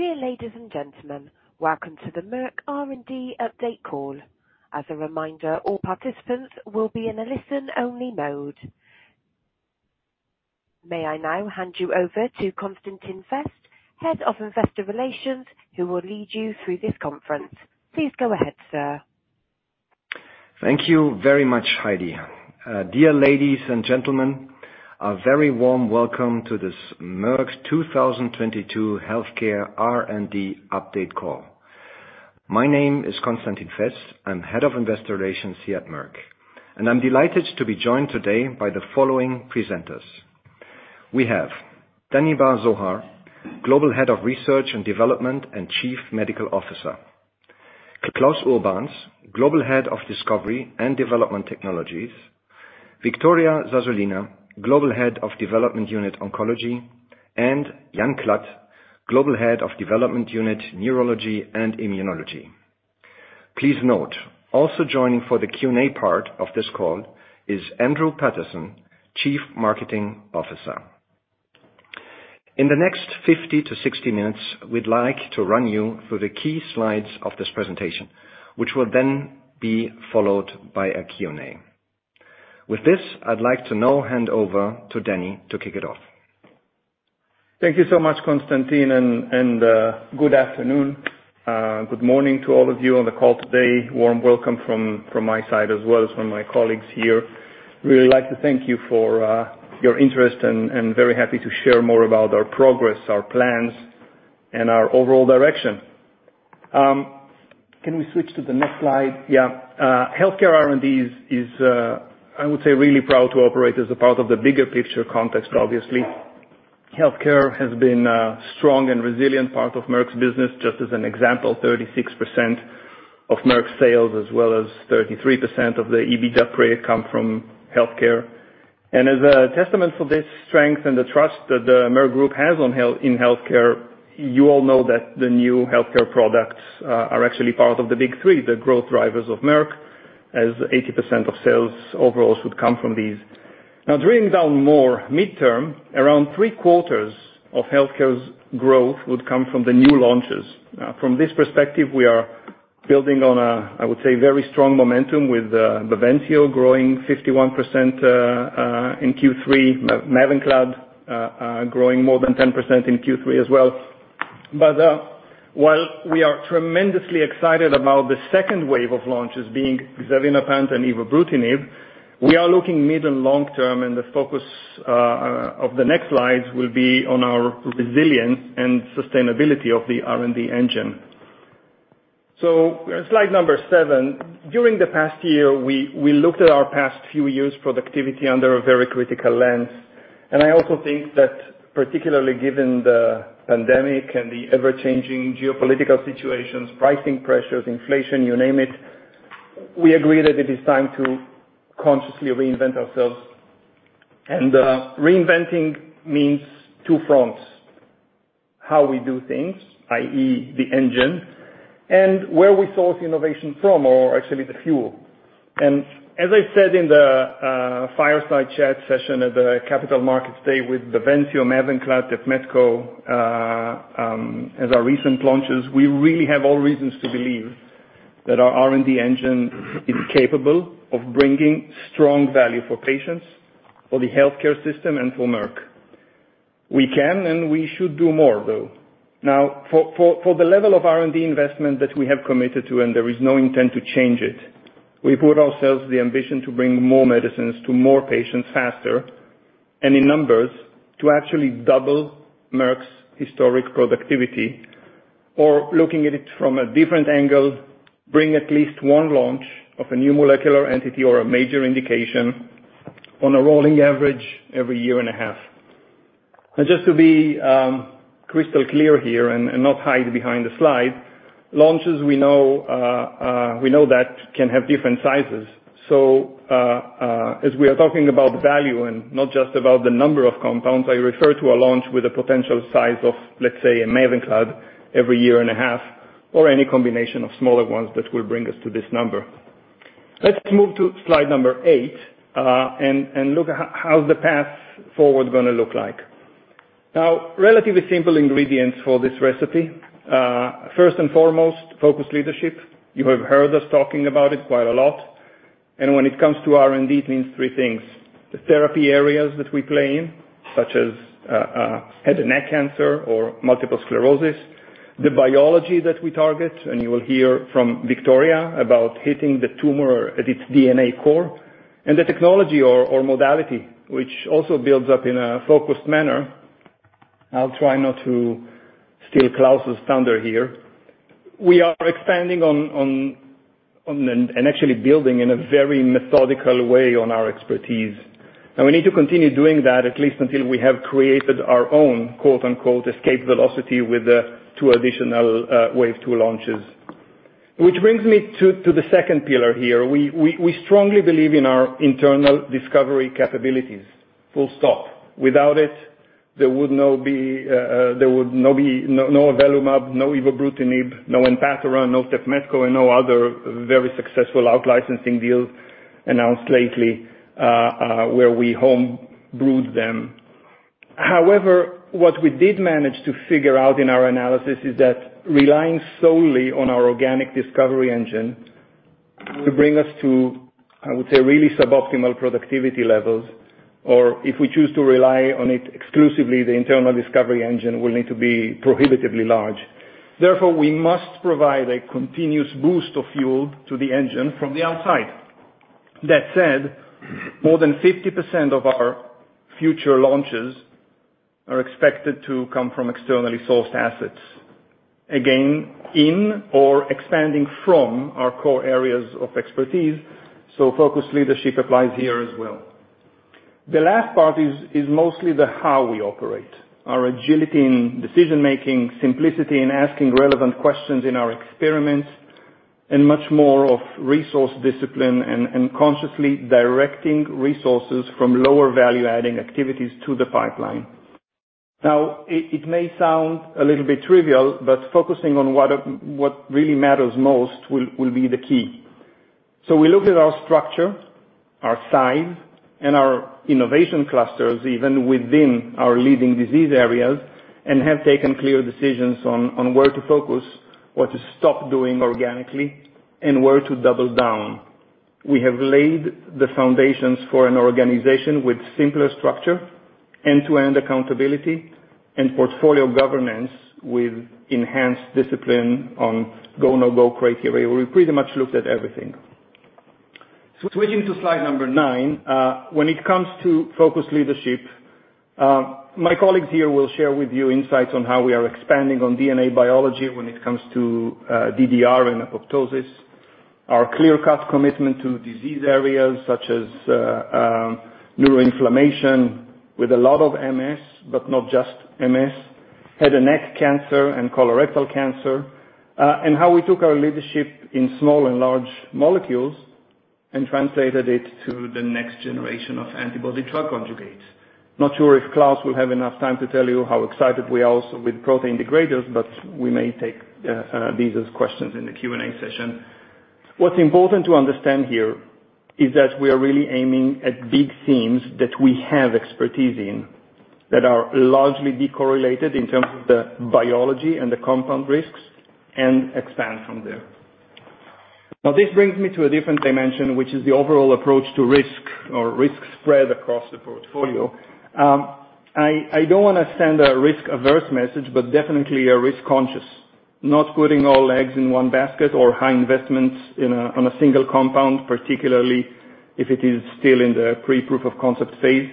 Dear ladies and gentlemen, welcome to the Merck R&D update call. As a reminder, all participants will be in a listen-only mode. May I now hand you over to Constantin Fest, Head of Investor Relations, who will lead you through this conference. Please go ahead, sir. Thank you very much, Heidi. Dear ladies and gentlemen, a very warm welcome to this Merck's 2022 Healthcare R&D update call. My name is Constantin Fest. I am Head of Investor Relations here at Merck. I am delighted to be joined today by the following presenters. We have Danny Bar-Zohar, Global Head of Research and Development and Chief Medical Officer. Klaus Urban, Global Head of Discovery and Development Technologies. Victoria Zazulina, Global Head of Development Unit Oncology. Jan Klatt, Global Head of Development Unit Neurology and Immunology. Please note, also joining for the Q&A part of this call is Andrew Patterson, Chief Marketing Officer. In the next 50 to 60 minutes, we would like to run you through the key slides of this presentation, which will then be followed by a Q&A. With this, I would like to now hand over to Danny to kick it off. Thank you so much, Constantin. Good afternoon, good morning to all of you on the call today. Warm welcome from my side as well as from my colleagues here. Really like to thank you for your interest and very happy to share more about our progress, our plans, and our overall direction. Can we switch to the next slide? Yeah. Healthcare R&D is I would say really proud to operate as a part of the bigger picture context, obviously. Healthcare has been a strong and resilient part of Merck's business. Just as an example, 36% of Merck's sales, as well as 33% of the EBITDA period, come from healthcare. for this strength and the trust that the Merck group has on healthcare, you all know that the new healthcare products are actually part of the big three, the growth drivers of Merck, as 80% of sales overall should come from these. Now, drilling down more mid-term, around three-quarters of healthcare's growth would come from the new launches. From this perspective, we are building on a, I would say, very strong momentum with avelumab growing 51% in Q3. MAVENCLAD growing more than 10% in Q3 as well. But while we are tremendously excited about the second wave of launches being Xevinapant and evobrutinib, we are looking mid and long-term, and the focus of the next slides will be on our resilience and sustainability of the R&D engine. So slide number seven. During the past year, we looked at our past few years' productivity under a very critical lens. I also think that, particularly given the pandemic and the ever-changing geopolitical situations, pricing pressures, inflation, you name it, we agree that it is time to consciously reinvent ourselves. Reinventing means two fronts, how we do things, i.e., the engine, and where we source innovation from or actually the fuel. As I said in the fireside chat session at the Capital Markets Day with BAVENCIO, MAVENCLAD, TEPMETKO as our recent launches, we really have all reasons to believe that our R&D engine is capable of bringing strong value for patients, for the healthcare system and for Merck. We can, and we should do more, though. Now, for the level of R&D investment that we have committed to, there is no intent to change it, we put ourselves the ambition to bring more medicines to more patients faster and in numbers to actually double Merck's historic productivity. Looking at it from a different angle, bring at least one launch of a new molecular entity or a major indication on a rolling average every year and a half. Just to be crystal clear here and not hide behind the slide, launches we know that can have different sizes. As we are talking about value and not just about the number of compounds, I refer to a launch with a potential size of, let's say, a MAVENCLAD every year and a half or any combination of smaller ones that will bring us to this number. Let's move to slide eight and look at how the path forward gonna look like. Relatively simple ingredients for this recipe. First and foremost, focused leadership. You have heard us talking about it quite a lot. When it comes to R&D, it means three things. The therapy areas that we play in, such as head and neck cancer or multiple sclerosis. The biology that we target, and you will hear from Victoria about hitting the tumor at its DNA core. The technology or modality, which also builds up in a focused manner. I'll try not to steal Klaus's thunder here. We are expanding on and actually building in a very methodical way on our expertise. We need to continue doing that at least until we have created our own "escape velocity" with the two additional wave two launches. Which brings me to the second pillar here. We strongly believe in our internal discovery capabilities, full stop. Without it, there would no be no avelumab, no Evobrutinib, no empagliflozin, no TEPMETKO, and no other very successful out-licensing deals. Announced lately, where we home-brewed them. What we did manage to figure out in our analysis is that relying solely on our organic discovery engine to bring us to, I would say, really suboptimal productivity levels, or if we choose to rely on it exclusively, the internal discovery engine will need to be prohibitively large. We must provide a continuous boost of fuel to the engine from the outside. That said, more than 50% of our future launches are expected to come from externally sourced assets. Again, in or expanding from our core areas of expertise, so focused leadership applies here as well. The last part is mostly the how we operate. Our agility in decision-making, simplicity in asking relevant questions in our experiments, and much more of resource discipline and consciously directing resources from lower value-adding activities to the pipeline. It may sound a little bit trivial, but focusing on what really matters most will be the key. We looked at our structure, our size, and our innovation clusters, even within our leading disease areas, and have taken clear decisions on where to focus, what to stop doing organically, and where to double down. We have laid the foundations for an organization with simpler structure, end-to-end accountability, and portfolio governance with enhanced discipline on go, no-go criteria. We pretty much looked at everything. Switching to slide number nine. When it comes to focused leadership, my colleagues here will share with you insights on how we are expanding on DNA biology when it comes to DDR and apoptosis. Our clear-cut commitment to disease areas such as neuroinflammation, with a lot of MS, but not just MS, head and neck cancer, and colorectal cancer, and how we took our leadership in small and large molecules and translated it to the next generation of antibody-drug conjugates. Not sure if Klaus will have enough time to tell you how excited we are also with protein degraders, but we may take these as questions in the Q&A session. What's important to understand here is that we are really aiming at big themes that we have expertise in, that are largely de-correlated in terms of the biology and the compound risks, and expand from there. Now, this brings me to a different dimension, which is the overall approach to risk or risk spread across the portfolio. I don't wanna send a risk-averse message, but definitely a risk-conscious. Not putting all eggs in one basket or high investments on a single compound, particularly if it is still in the pre-proof of concept phase.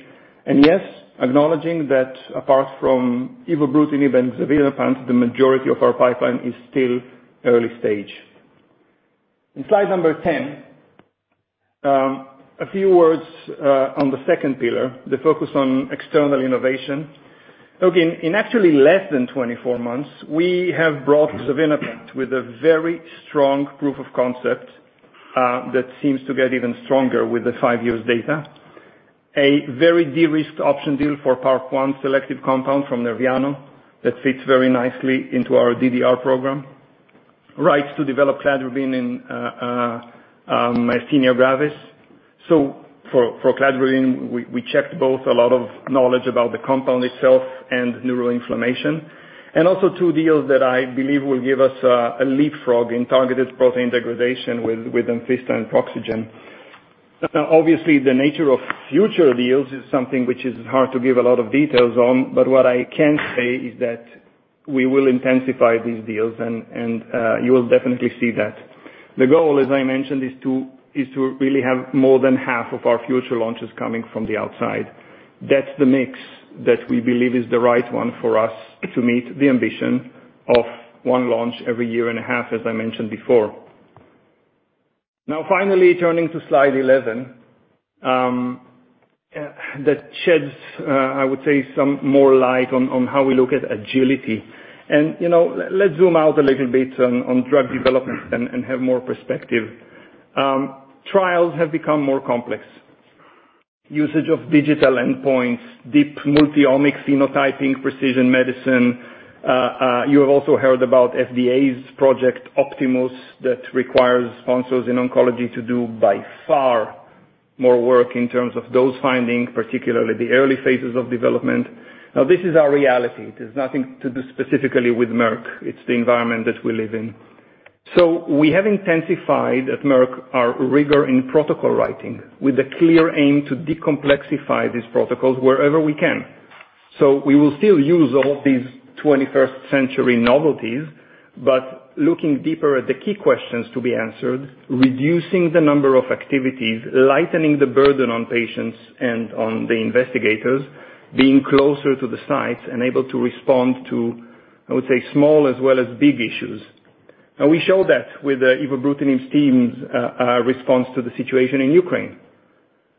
Yes, acknowledging that apart from Evobrutinib and Xevinapant, the majority of our pipeline is still early stage. In slide number 10, a few words on the second pillar, the focus on external innovation. In actually less than 24 months, we have brought Xevinapant with a very strong proof of concept that seems to get even stronger with the five years data. A very de-risked option deal for PARP1 selective compound from Nerviano that fits very nicely into our DDR program. Rights to develop Cladribine in myasthenia gravis. For Cladribine, we checked both a lot of knowledge about the compound itself and neuroinflammation. Also two deals that I believe will give us a leapfrog in targeted protein degradation with Amphista and Proxygen. Obviously, the nature of future deals is something which is hard to give a lot of details on, but what I can say is that we will intensify these deals and you will definitely see that. The goal, as I mentioned, is to really have more than half of our future launches coming from the outside. That's the mix that we believe is the right one for us to meet the ambition of one launch every year and a half, as I mentioned before. Finally, turning to slide 11, that sheds, I would say, some more light on how we look at agility. You know, let's zoom out a little bit on drug development and have more perspective. Trials have become more complex. Usage of digital endpoints, deep multi-omics phenotyping, precision medicine. You have also heard about FDA's Project Optimus that requires sponsors in oncology to do by far more work in terms of those findings, particularly the early phases of development. This is our reality. It has nothing to do specifically with Merck. It's the environment that we live in. We have intensified at Merck our rigor in protocol writing with a clear aim to de-complexify these protocols wherever we can. We will still use all of these 21st-century novelties, but looking deeper at the key questions to be answered, reducing the number of activities, lightening the burden on patients and on the investigators, being closer to the sites and able to respond to, I would say, small as well as big issues. We showed that with the Ibrutinib team's response to the situation in Ukraine.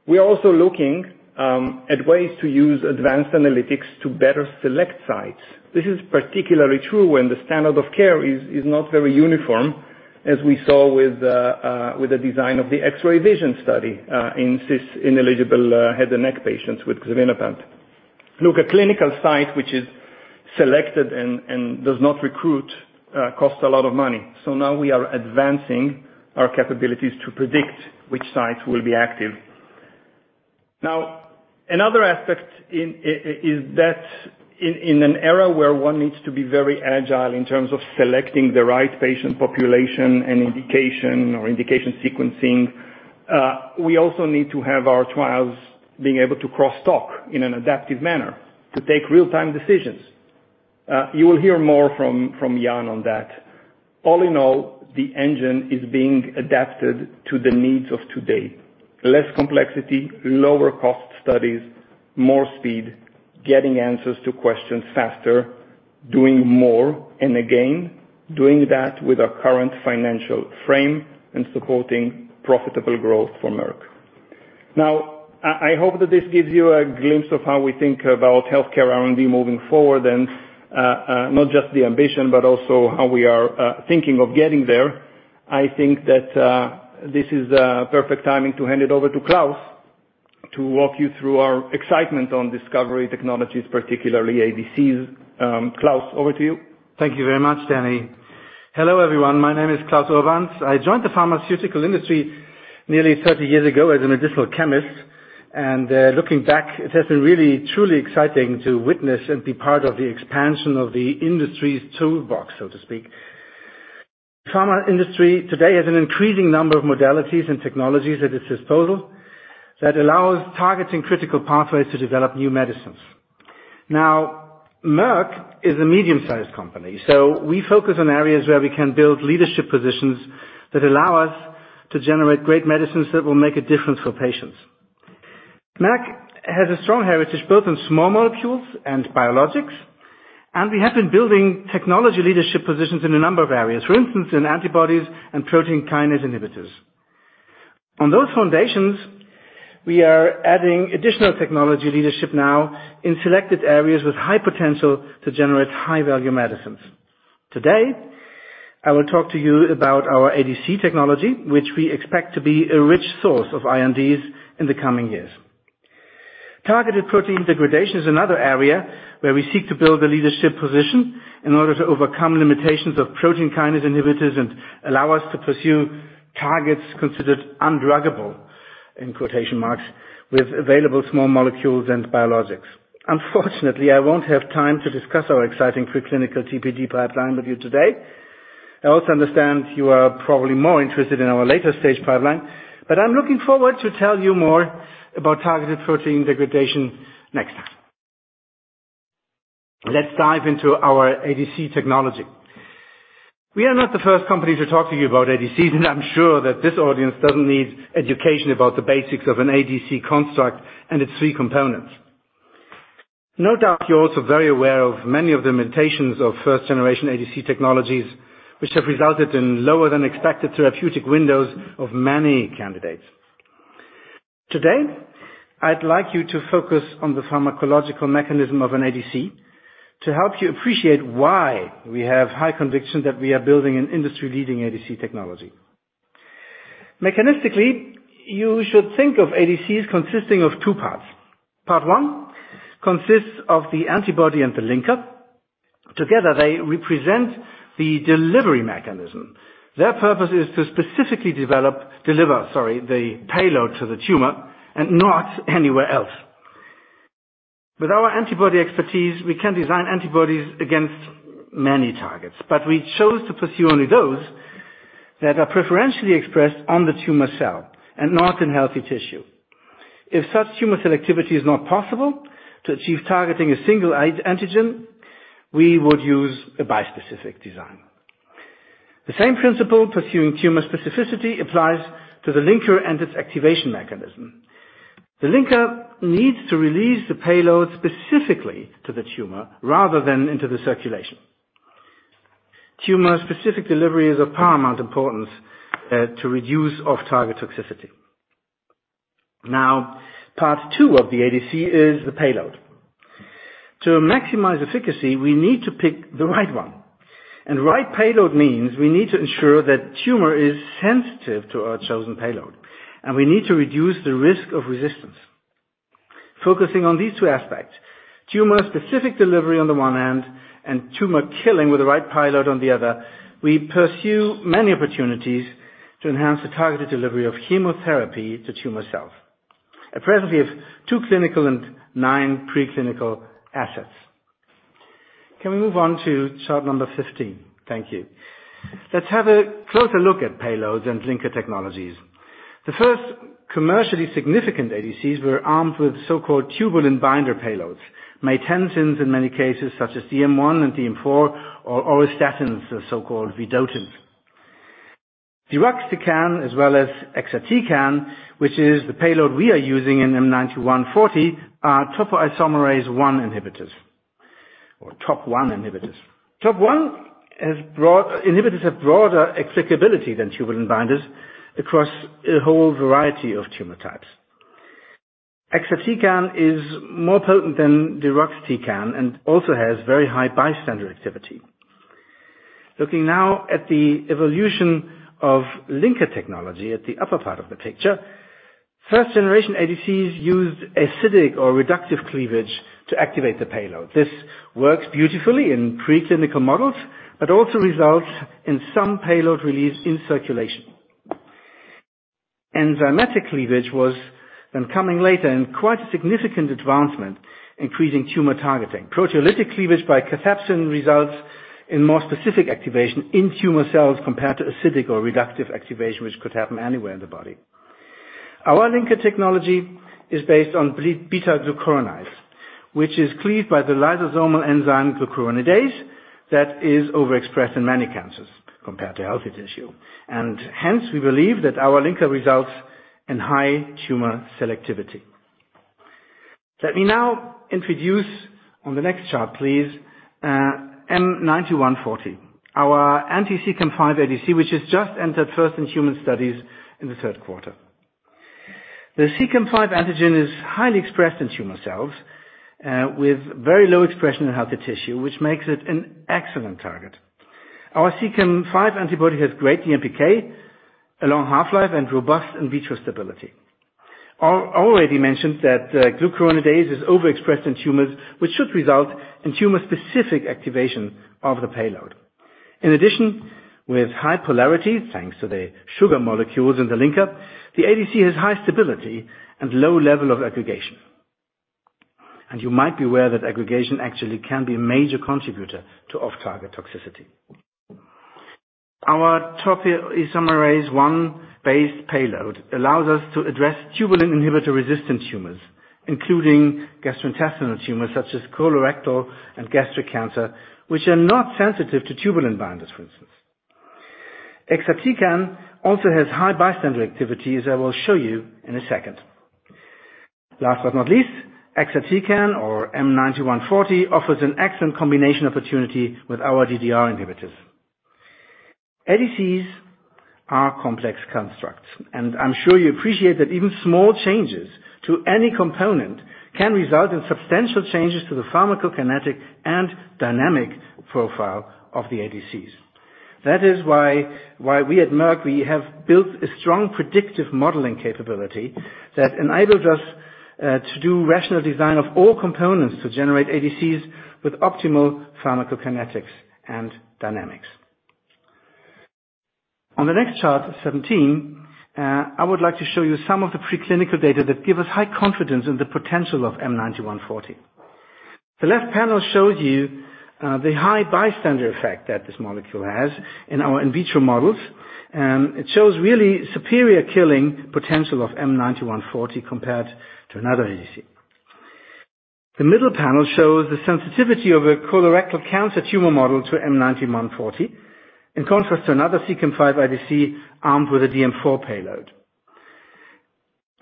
We are also looking at ways to use advanced analytics to better select sites. This is particularly true when the standard of care is not very uniform, as we saw with the design of the X-Ray Vision study in cis-ineligible head and neck patients with Xevinapant. Look, a clinical site which is selected and does not recruit costs a lot of money. Now we are advancing our capabilities to predict which sites will be active. Now, another aspect is that in an era where one needs to be very agile in terms of selecting the right patient population and indication or indication sequencing, we also need to have our trials being able to cross-stock in an adaptive manner to take real-time decisions. You will hear more from Jan on that. All in all, the engine is being adapted to the needs of today. Less complexity, lower cost studies, more speed, getting answers to questions faster, doing more, and again, doing that with our current financial frame and supporting profitable growth for Merck. Now, I hope that this gives you a glimpse of how we think about healthcare R&D moving forward, and not just the ambition, but also how we are thinking of getting there. I think that this is a perfect timing to hand it over to Klaus to walk you through our excitement on discovery technologies, particularly ADCs. Klaus, over to you. Thank you very much, Danny. Hello, everyone. My name is Klaus Urban. I joined the pharmaceutical industry nearly 30 years ago as a medicinal chemist, and, looking back, it has been really truly exciting to witness and be part of the expansion of the industry's toolbox, so to speak. Pharma industry today has an increasing number of modalities and technologies at its disposal that allows targeting critical pathways to develop new medicines. Merck is a medium-sized company, so we focus on areas where we can build leadership positions that allow us to generate great medicines that will make a difference for patients. Merck has a strong heritage, both in small molecules and biologics, and we have been building technology leadership positions in a number of areas, for instance, in antibodies and protein kinase inhibitors. On those foundations, we are adding additional technology leadership now in selected areas with high potential to generate high-value medicines. Today, I will talk to you about our ADC technology, which we expect to be a rich source of INDs in the coming years. Targeted protein degradation is another area where we seek to build a leadership position in order to overcome limitations of protein kinase inhibitors and allow us to pursue targets considered undruggable, in quotation marks, with available small molecules and biologics. Unfortunately, I won't have time to discuss our exciting preclinical TPD pipeline with you today. I also understand you are probably more interested in our later stage pipeline, but I'm looking forward to tell you more about targeted protein degradation next time. Let's dive into our ADC technology. We are not the first company to talk to you about ADCs, and I'm sure that this audience doesn't need education about the basics of an ADC construct and its three components. No doubt, you're also very aware of many of the limitations of first-generation ADC technologies, which have resulted in lower than expected therapeutic windows of many candidates. Today, I'd like you to focus on the pharmacological mechanism of an ADC to help you appreciate why we have high conviction that we are building an industry-leading ADC technology. Mechanistically, you should think of ADCs consisting of two parts. Part one consists of the antibody and the linker. Together, they represent the delivery mechanism. Their purpose is to specifically deliver, sorry, the payload to the tumor and not anywhere else. With our antibody expertise, we can design antibodies against many targets, but we chose to pursue only those that are preferentially expressed on the tumor cell and not in healthy tissue. If such tumor selectivity is not possible to achieve targeting a single antigen, we would use a bispecific design. The same principle pursuing tumor specificity applies to the linker and its activation mechanism. The linker needs to release the payload specifically to the tumor rather than into the circulation. Tumor-specific delivery is of paramount importance to reduce off-target toxicity. Now, part two of the ADC is the payload. To maximize efficacy, we need to pick the right one. Right payload means we need to ensure that tumor is sensitive to our chosen payload, and we need to reduce the risk of resistance. Focusing on these two aspects, tumor-specific delivery on the one hand and tumor killing with the right payload on the other, we pursue many opportunities to enhance the targeted delivery of chemotherapy to tumor cells. At presently, we have two clinical and nine preclinical assets. Can we move on to chart number 15? Thank you. Let's have a closer look at payloads and linker technologies. The first commercially significant ADCs were armed with so-called tubulin binder payloads, maytansines in many cases, such as DM1 and DM4 or auristatins, the so-called vedotins. deruxtecan as well as exatecan, which is the payload we are using in M9140, are Topoisomerase 1 inhibitors or Top1 inhibitors. Top1 inhibitors have broader applicability than tubulin binders across a whole variety of tumor types. Exatecan is more potent than deruxtecan and also has very high bystander activity. Looking now at the evolution of linker technology at the upper part of the picture. First-generation ADCs used acidic or reductive cleavage to activate the payload. This works beautifully in preclinical models, but also results in some payload release in circulation. Enzymatic cleavage was then coming later and quite a significant advancement, increasing tumor targeting. Proteolytic cleavage by cathepsin results in more specific activation in tumor cells compared to acidic or reductive activation, which could happen anywhere in the body. Our linker technology is based on β-glucuronides, which is cleaved by the lysosomal enzyme glucuronidase that is overexpressed in many cancers compared to healthy tissue. Hence, we believe that our linker results in high tumor selectivity. Let me now introduce on the next chart, please, M9140, our anti-CEACAM5 ADC, which has just entered first-in-human studies in the third quarter. The CEACAM5 antigen is highly expressed in tumor cells, with very low expression in healthy tissue, which makes it an excellent target. Our CEACAM5 antibody has great MPK, a long half-life, and robust in vitro stability. Already mentioned that glucuronidase is overexpressed in tumors, which should result in tumor-specific activation of the payload. In addition, with high polarity, thanks to the sugar molecules in the linker, the ADC has high stability and low level of aggregation. You might be aware that aggregation actually can be a major contributor to off-target toxicity. Our topoisomerase I-based payload allows us to address tubulin inhibitor-resistant tumors, including gastrointestinal tumors such as colorectal and gastric cancer, which are not sensitive to tubulin binders, for instance. exatecan also has high bystander activity, as I will show you in a second. Last but not least, exatecan or M9140 offers an excellent combination opportunity with our DDR inhibitors. I'm sure you appreciate that even small changes to any component can result in substantial changes to the pharmacokinetic and dynamic profile of the ADCs. That is why we at Merck, we have built a strong predictive modeling capability that enables us to do rational design of all components to generate ADCs with optimal pharmacokinetics and dynamics. On the next chart, 17, I would like to show you some of the preclinical data that give us high confidence in the potential of M9140. The left panel shows you the high bystander effect that this molecule has in our in vitro models. It shows really superior killing potential of M9140 compared to another ADC. The middle panel shows the sensitivity of a colorectal cancer tumor model to M9140, in contrast to another CEACAM5 ADC armed with a DM4 payload.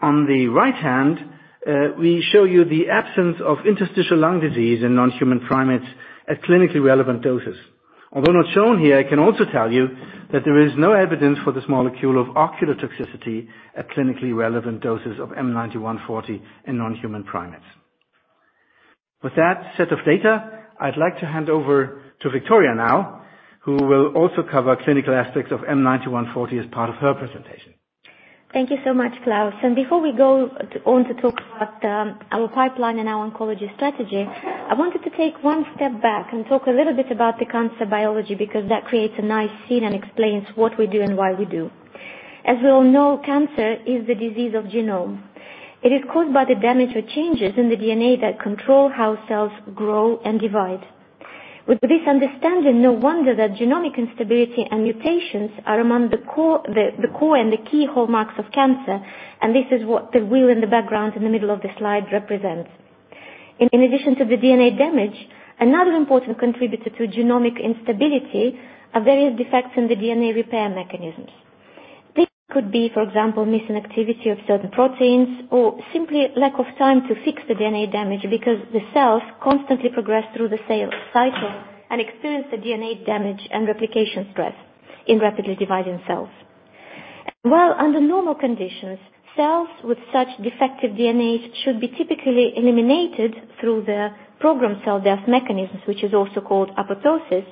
On the right-hand, we show you the absence of interstitial lung disease in non-human primates at clinically relevant doses. Although not shown here, I can also tell you that there is no evidence for this molecule of ocular toxicity at clinically relevant doses of M9140 in non-human primates. With that set of data, I'd like to hand over to Victoria now, who will also cover clinical aspects of M9140 as part of her presentation. Thank you so much, Klaus. Before we go on to talk about our pipeline and our oncology strategy, I wanted to take one step back and talk a little bit about the cancer biology, because that creates a nice scene and explains what we do and why we do. As we all know, cancer is the disease of genome. It is caused by the damage or changes in the DNA that control how cells grow and divide. With this understanding, no wonder that genomic instability and mutations are among the core and the key hallmarks of cancer, and this is what the wheel in the background in the middle of the slide represents. In addition to the DNA damage, another important contributor to genomic instability are various defects in the DNA repair mechanisms. could be, for example, missing activity of certain proteins or simply lack of time to fix the DNA damage because the cells constantly progress through the cell cycle and experience the DNA damage and replication stress in rapidly dividing cells. While under normal conditions, cells with such defective DNA should be typically eliminated through the programmed cell death mechanisms, which is also called apoptosis.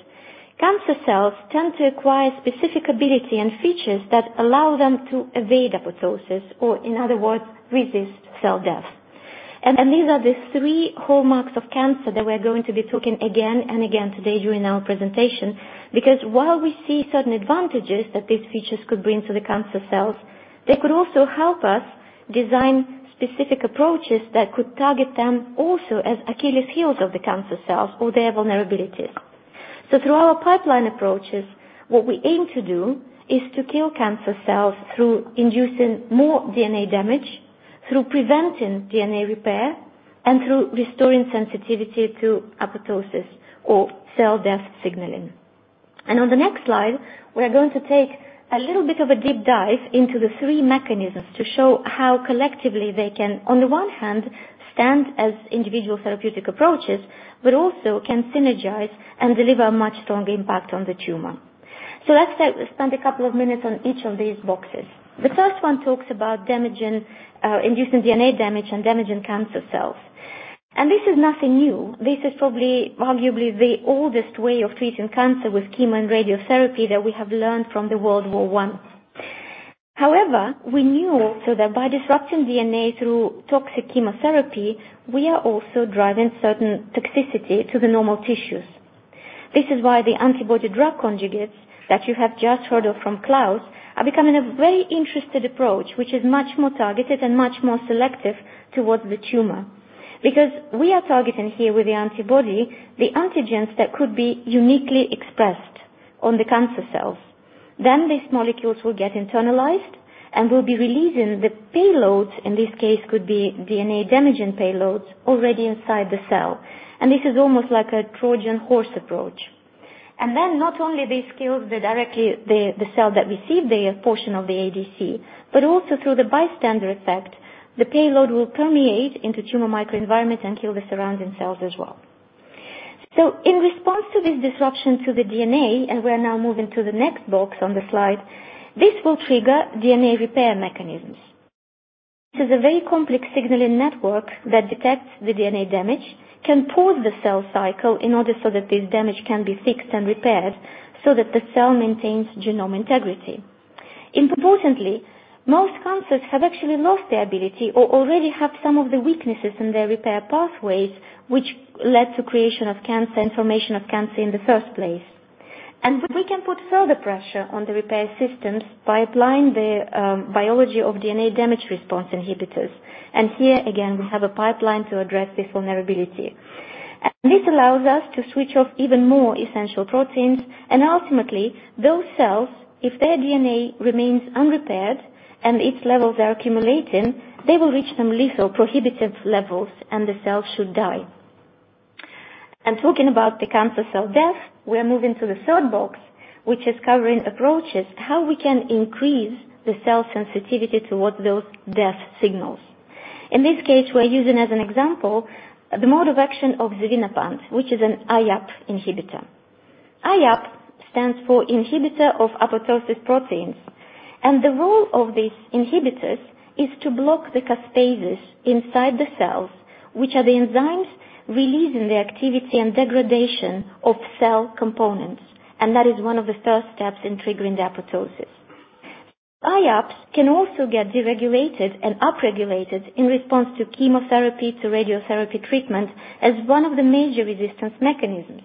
Cancer cells tend to acquire specific ability and features that allow them to evade apoptosis or, in other words, resist cell death. These are the three hallmarks of cancer that we're going to be talking again and again today during our presentation. While we see certain advantages that these features could bring to the cancer cells, they could also help us design specific approaches that could target them also as Achilles heels of the cancer cells or their vulnerabilities. Through our pipeline approaches, what we aim to do is to kill cancer cells through inducing more DNA damage, through preventing DNA repair, and through restoring sensitivity to apoptosis or cell death signaling. On the next slide, we are going to take a little bit of a deep dive into the three mechanisms to show how collectively they can, on the one hand, stand as individual therapeutic approaches, but also can synergize and deliver much stronger impact on the tumor. Let's take, spend a couple of minutes on each of these boxes. The first one talks about damaging, inducing DNA damage, and damaging cancer cells. This is nothing new. This is probably arguably the oldest way of treating cancer with chemo and radiotherapy that we have learned from the World War I. However, we knew also that by disrupting DNA through toxic chemotherapy, we are also driving certain toxicity to the normal tissues. This is why the antibody-drug conjugates that you have just heard of from Klaus are becoming a very interesting approach, which is much more targeted and much more selective towards the tumor. Because we are targeting here with the antibody, the antigens that could be uniquely expressed on the cancer cells, then these molecules will get internalized and will be releasing the payloads, in this case, could be DNA-damaging payloads already inside the cell. This is almost like a Trojan horse approach. Not only this kills the cell that received the portion of the ADC, but also through the bystander effect, the payload will permeate into tumor microenvironment and kill the surrounding cells as well. In response to this disruption to the DNA, and we are now moving to the next box on the slide, this will trigger DNA repair mechanisms. This is a very complex signaling network that detects the DNA damage, can pause the cell cycle in order so that this damage can be fixed and repaired, so that the cell maintains genome integrity. Importantly, most cancers have actually lost their ability or already have some of the weaknesses in their repair pathways, which led to creation of cancer and formation of cancer in the first place. We can put further pressure on the repair systems by applying the biology of DNA damage response inhibitors. Here again, we have a pipeline to address this vulnerability. This allows us to switch off even more essential proteins. Ultimately, those cells, if their DNA remains unrepaired and its levels are accumulating, they will reach some lethal prohibitive levels, and the cells should die. Talking about the cancer cell death, we are moving to the third box, which is covering approaches, how we can increase the cell sensitivity towards those death signals. In this case, we're using as an example, the mode of action of Xevinapant, which is an IAP inhibitor. IAP stands for Inhibitor of Apoptosis Proteins. The role of these inhibitors is to block the caspases inside the cells, which are the enzymes releasing the activity and degradation of cell components. That is one of the first steps in triggering the apoptosis. IAP can also get deregulated and upregulated in response to chemotherapy, to radiotherapy treatment as one of the major resistance mechanisms.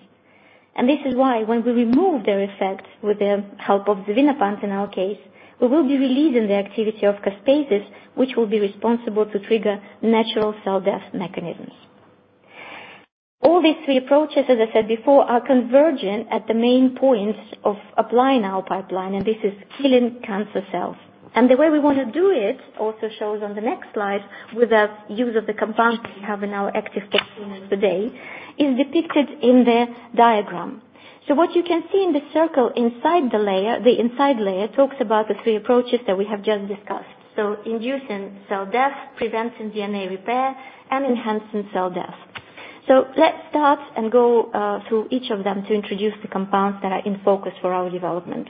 This is why when we remove their effect with the help of Xevinapant, in our case, we will be releasing the activity of caspases, which will be responsible to trigger natural cell death mechanisms. All these three approaches, as I said before, are converging at the main points of applying our pipeline, and this is killing cancer cells. The way we wanna do it also shows on the next slide, with the use of the compounds we have in our active portfolio today, is depicted in the diagram. What you can see in the circle inside the layer, the inside layer talks about the three approaches that we have just discussed. Inducing cell death, preventing DNA repair, and enhancing cell death. Let's start and go through each of them to introduce the compounds that are in focus for our development.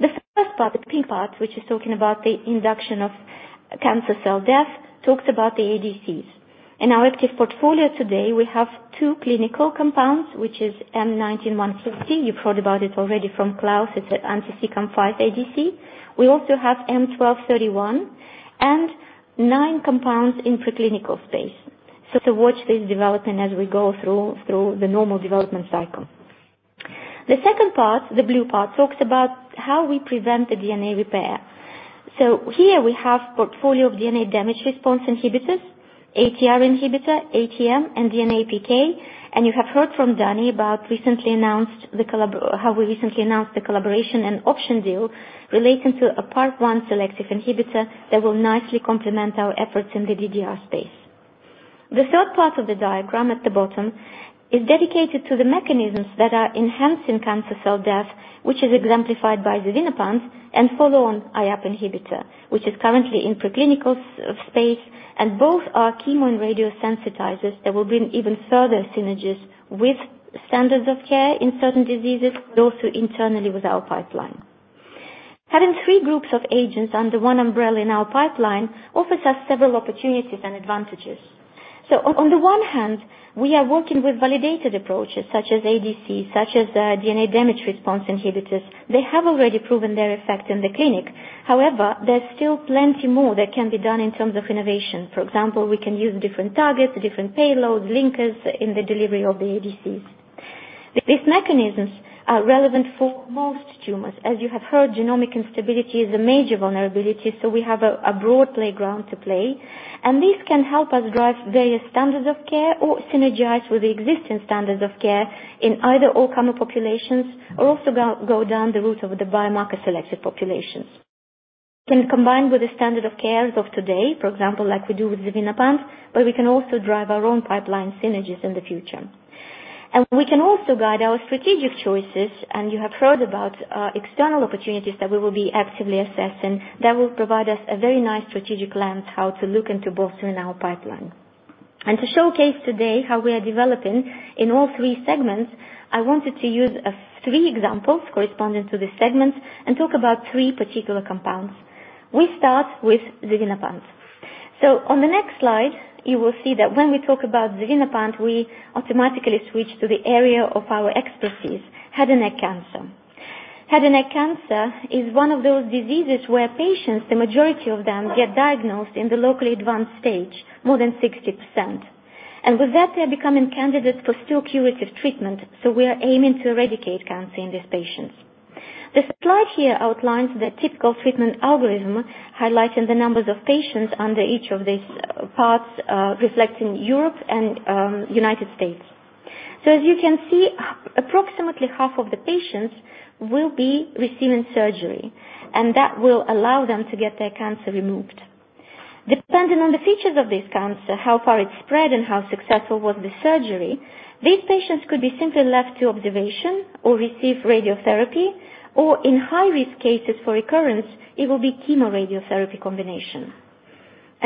The first part, the pink part, which is talking about the induction of cancer cell death, talks about the ADCs. In our active portfolio today, we have two clinical compounds, which is M9140. You've heard about it already from Klaus. It's an anti-CEACAM5 ADC. We also have M1231 and nine compounds in preclinical space. To watch this development as we go through the normal development cycle. The second part, the blue part, talks about how we prevent the DNA repair. Here we have portfolio of DNA damage response inhibitors, ATR inhibitor, ATM, and DNA-PK. You have heard from Danny about how we recently announced the collaboration and option deal relating to a PARP1 selective inhibitor that will nicely complement our efforts in the DDR space. The third part of the diagram at the bottom is dedicated to the mechanisms that are enhancing cancer cell death, which is exemplified by Xevinapant and follow on IAP inhibitor, which is currently in preclinical space, and both are chemo and radiosensitizers that will bring even further synergies with standards of care in certain diseases, but also internally with our pipeline. Having three groups of agents under one umbrella in our pipeline offers us several opportunities and advantages. On the one hand, we are working with validated approaches such as ADCs, such as DNA damage response inhibitors. They have already proven their effect in the clinic. However, there's still plenty more that can be done in terms of innovation. For example, we can use different targets, different payloads, linkers in the delivery of the ADCs. These mechanisms are relevant for most tumors. As you have heard, genomic instability is a major vulnerability. We have a broad playground to play. This can help us drive various standards of care or synergize with the existing standards of care in either all comer populations or also go down the route of the biomarker-selected populations. Can combine with the standard of care as of today, for example, like we do with Xevinapant. We can also drive our own pipeline synergies in the future. We can also guide our strategic choices. You have heard about external opportunities that we will be actively assessing that will provide us a very nice strategic lens how to look into bolstering our pipeline. To showcase today how we are developing in all three segments, I wanted to use three examples corresponding to the segments and talk about three particular compounds. We start with Xevinapant. On the next slide, you will see that when we talk about Xevinapant, we automatically switch to the area of our expertise, head and neck cancer. Head and neck cancer is one of those diseases where patients, the majority of them, get diagnosed in the locally advanced stage, more than 60%. With that, they're becoming candidates for still curative treatment, so we are aiming to eradicate cancer in these patients. The slide here outlines the typical treatment algorithm, highlighting the numbers of patients under each of these parts, reflecting Europe and United States. As you can see, approximately half of the patients will be receiving surgery, and that will allow them to get their cancer removed. Depending on the features of this cancer, how far it spread, and how successful was the surgery, these patients could be simply left to observation or receive radiotherapy, or in high-risk cases for recurrence, it will be chemoradiotherapy combination.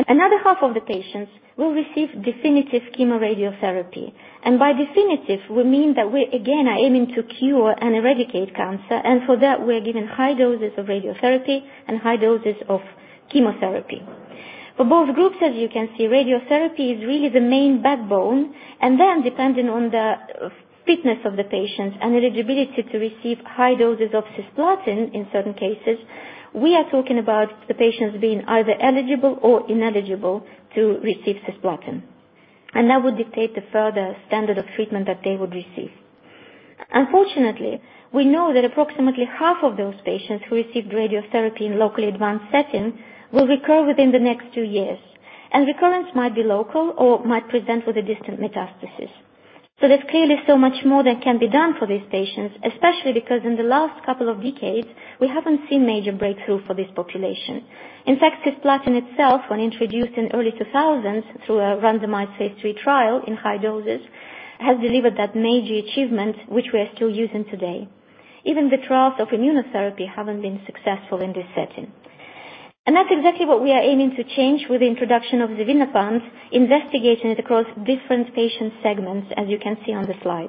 Another half of the patients will receive definitive chemoradiotherapy. By definitive, we mean that we again are aiming to cure and eradicate cancer, and for that, we are giving high doses of radiotherapy and high doses of chemotherapy. For both groups, as you can see, radiotherapy is really the main backbone, and then, depending on the fitness of the patient and eligibility to receive high doses of cisplatin in certain cases, we are talking about the patients being either eligible or ineligible to receive cisplatin. That would dictate the further standard of treatment that they would receive. Unfortunately, we know that approximately half of those patients who receive radiotherapy in locally advanced setting will recur within the next two years, and recurrence might be local or might present with a distant metastasis. There's clearly so much more that can be done for these patients, especially because in the last couple of decades, we haven't seen major breakthrough for this population. In fact, cisplatin itself, when introduced in early 2000s through a randomized phase III trial in high doses, has delivered that major achievement which we are still using today. Even the trials of immunotherapy haven't been successful in this setting. That's exactly what we are aiming to change with the introduction of Xevinapant, investigating it across different patient segments, as you can see on the slide.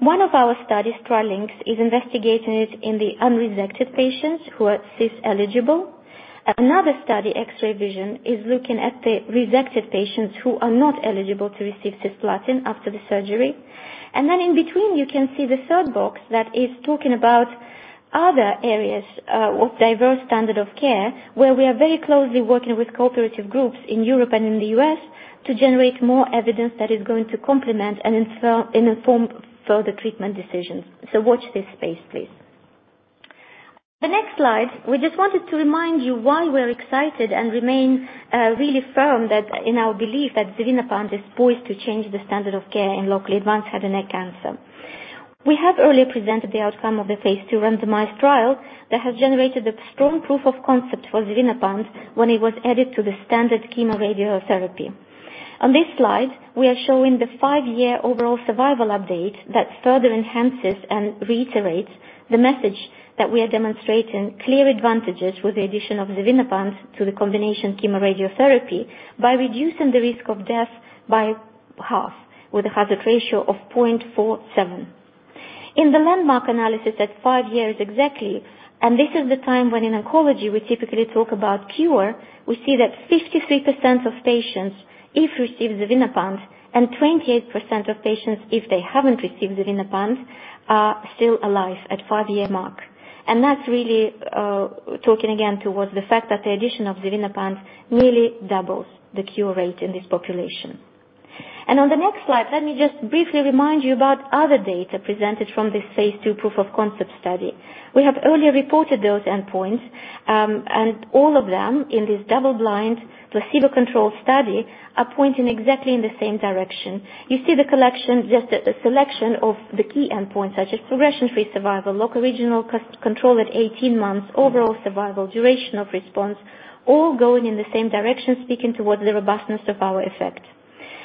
One of our studies, TrilynX, is investigating it in the unresected patients who are Cis eligible. Another study, X-Ray Vision, is looking at the rejected patients who are not eligible to receive cisplatin after the surgery. In between, you can see the third box that is talking about other areas of diverse standard of care, where we are very closely working with cooperative groups in Europe and in the U.S. to generate more evidence that is going to complement and inform further treatment decisions. Watch this space, please. The next slide, we just wanted to remind you why we're excited and remain really firm that in our belief that Xevinapant is poised to change the standard of care in locally advanced head and neck cancer. We have earlier presented the outcome of the phase II randomized trial that has generated a strong proof of concept for Xevinapant when it was added to the standard chemoradiotherapy. On this slide, we are showing the five-year overall survival update that further enhances and reiterates the message that we are demonstrating clear advantages with the addition of Xevinapant to the combination chemoradiotherapy by reducing the risk of death by half, with a hazard ratio of 0.47. In the landmark analysis at five years exactly, this is the time when in oncology we typically talk about cure, we see that 53% of patients, if receive Xevinapant, and 28% of patients, if they haven't received Xevinapant, are still alive at five-year mark. That's really talking again towards the fact that the addition of Xevinapant nearly doubles the cure rate in this population. On the next slide, let me just briefly remind you about other data presented from this phase II proof of concept study. We have earlier reported those endpoints, and all of them in this double-blind, placebo-controlled study are pointing exactly in the same direction. You see the collection, just a selection of the key endpoints, such as progression-free survival, locoregional control at 18 months, overall survival, duration of response, all going in the same direction, speaking towards the robustness of our effect.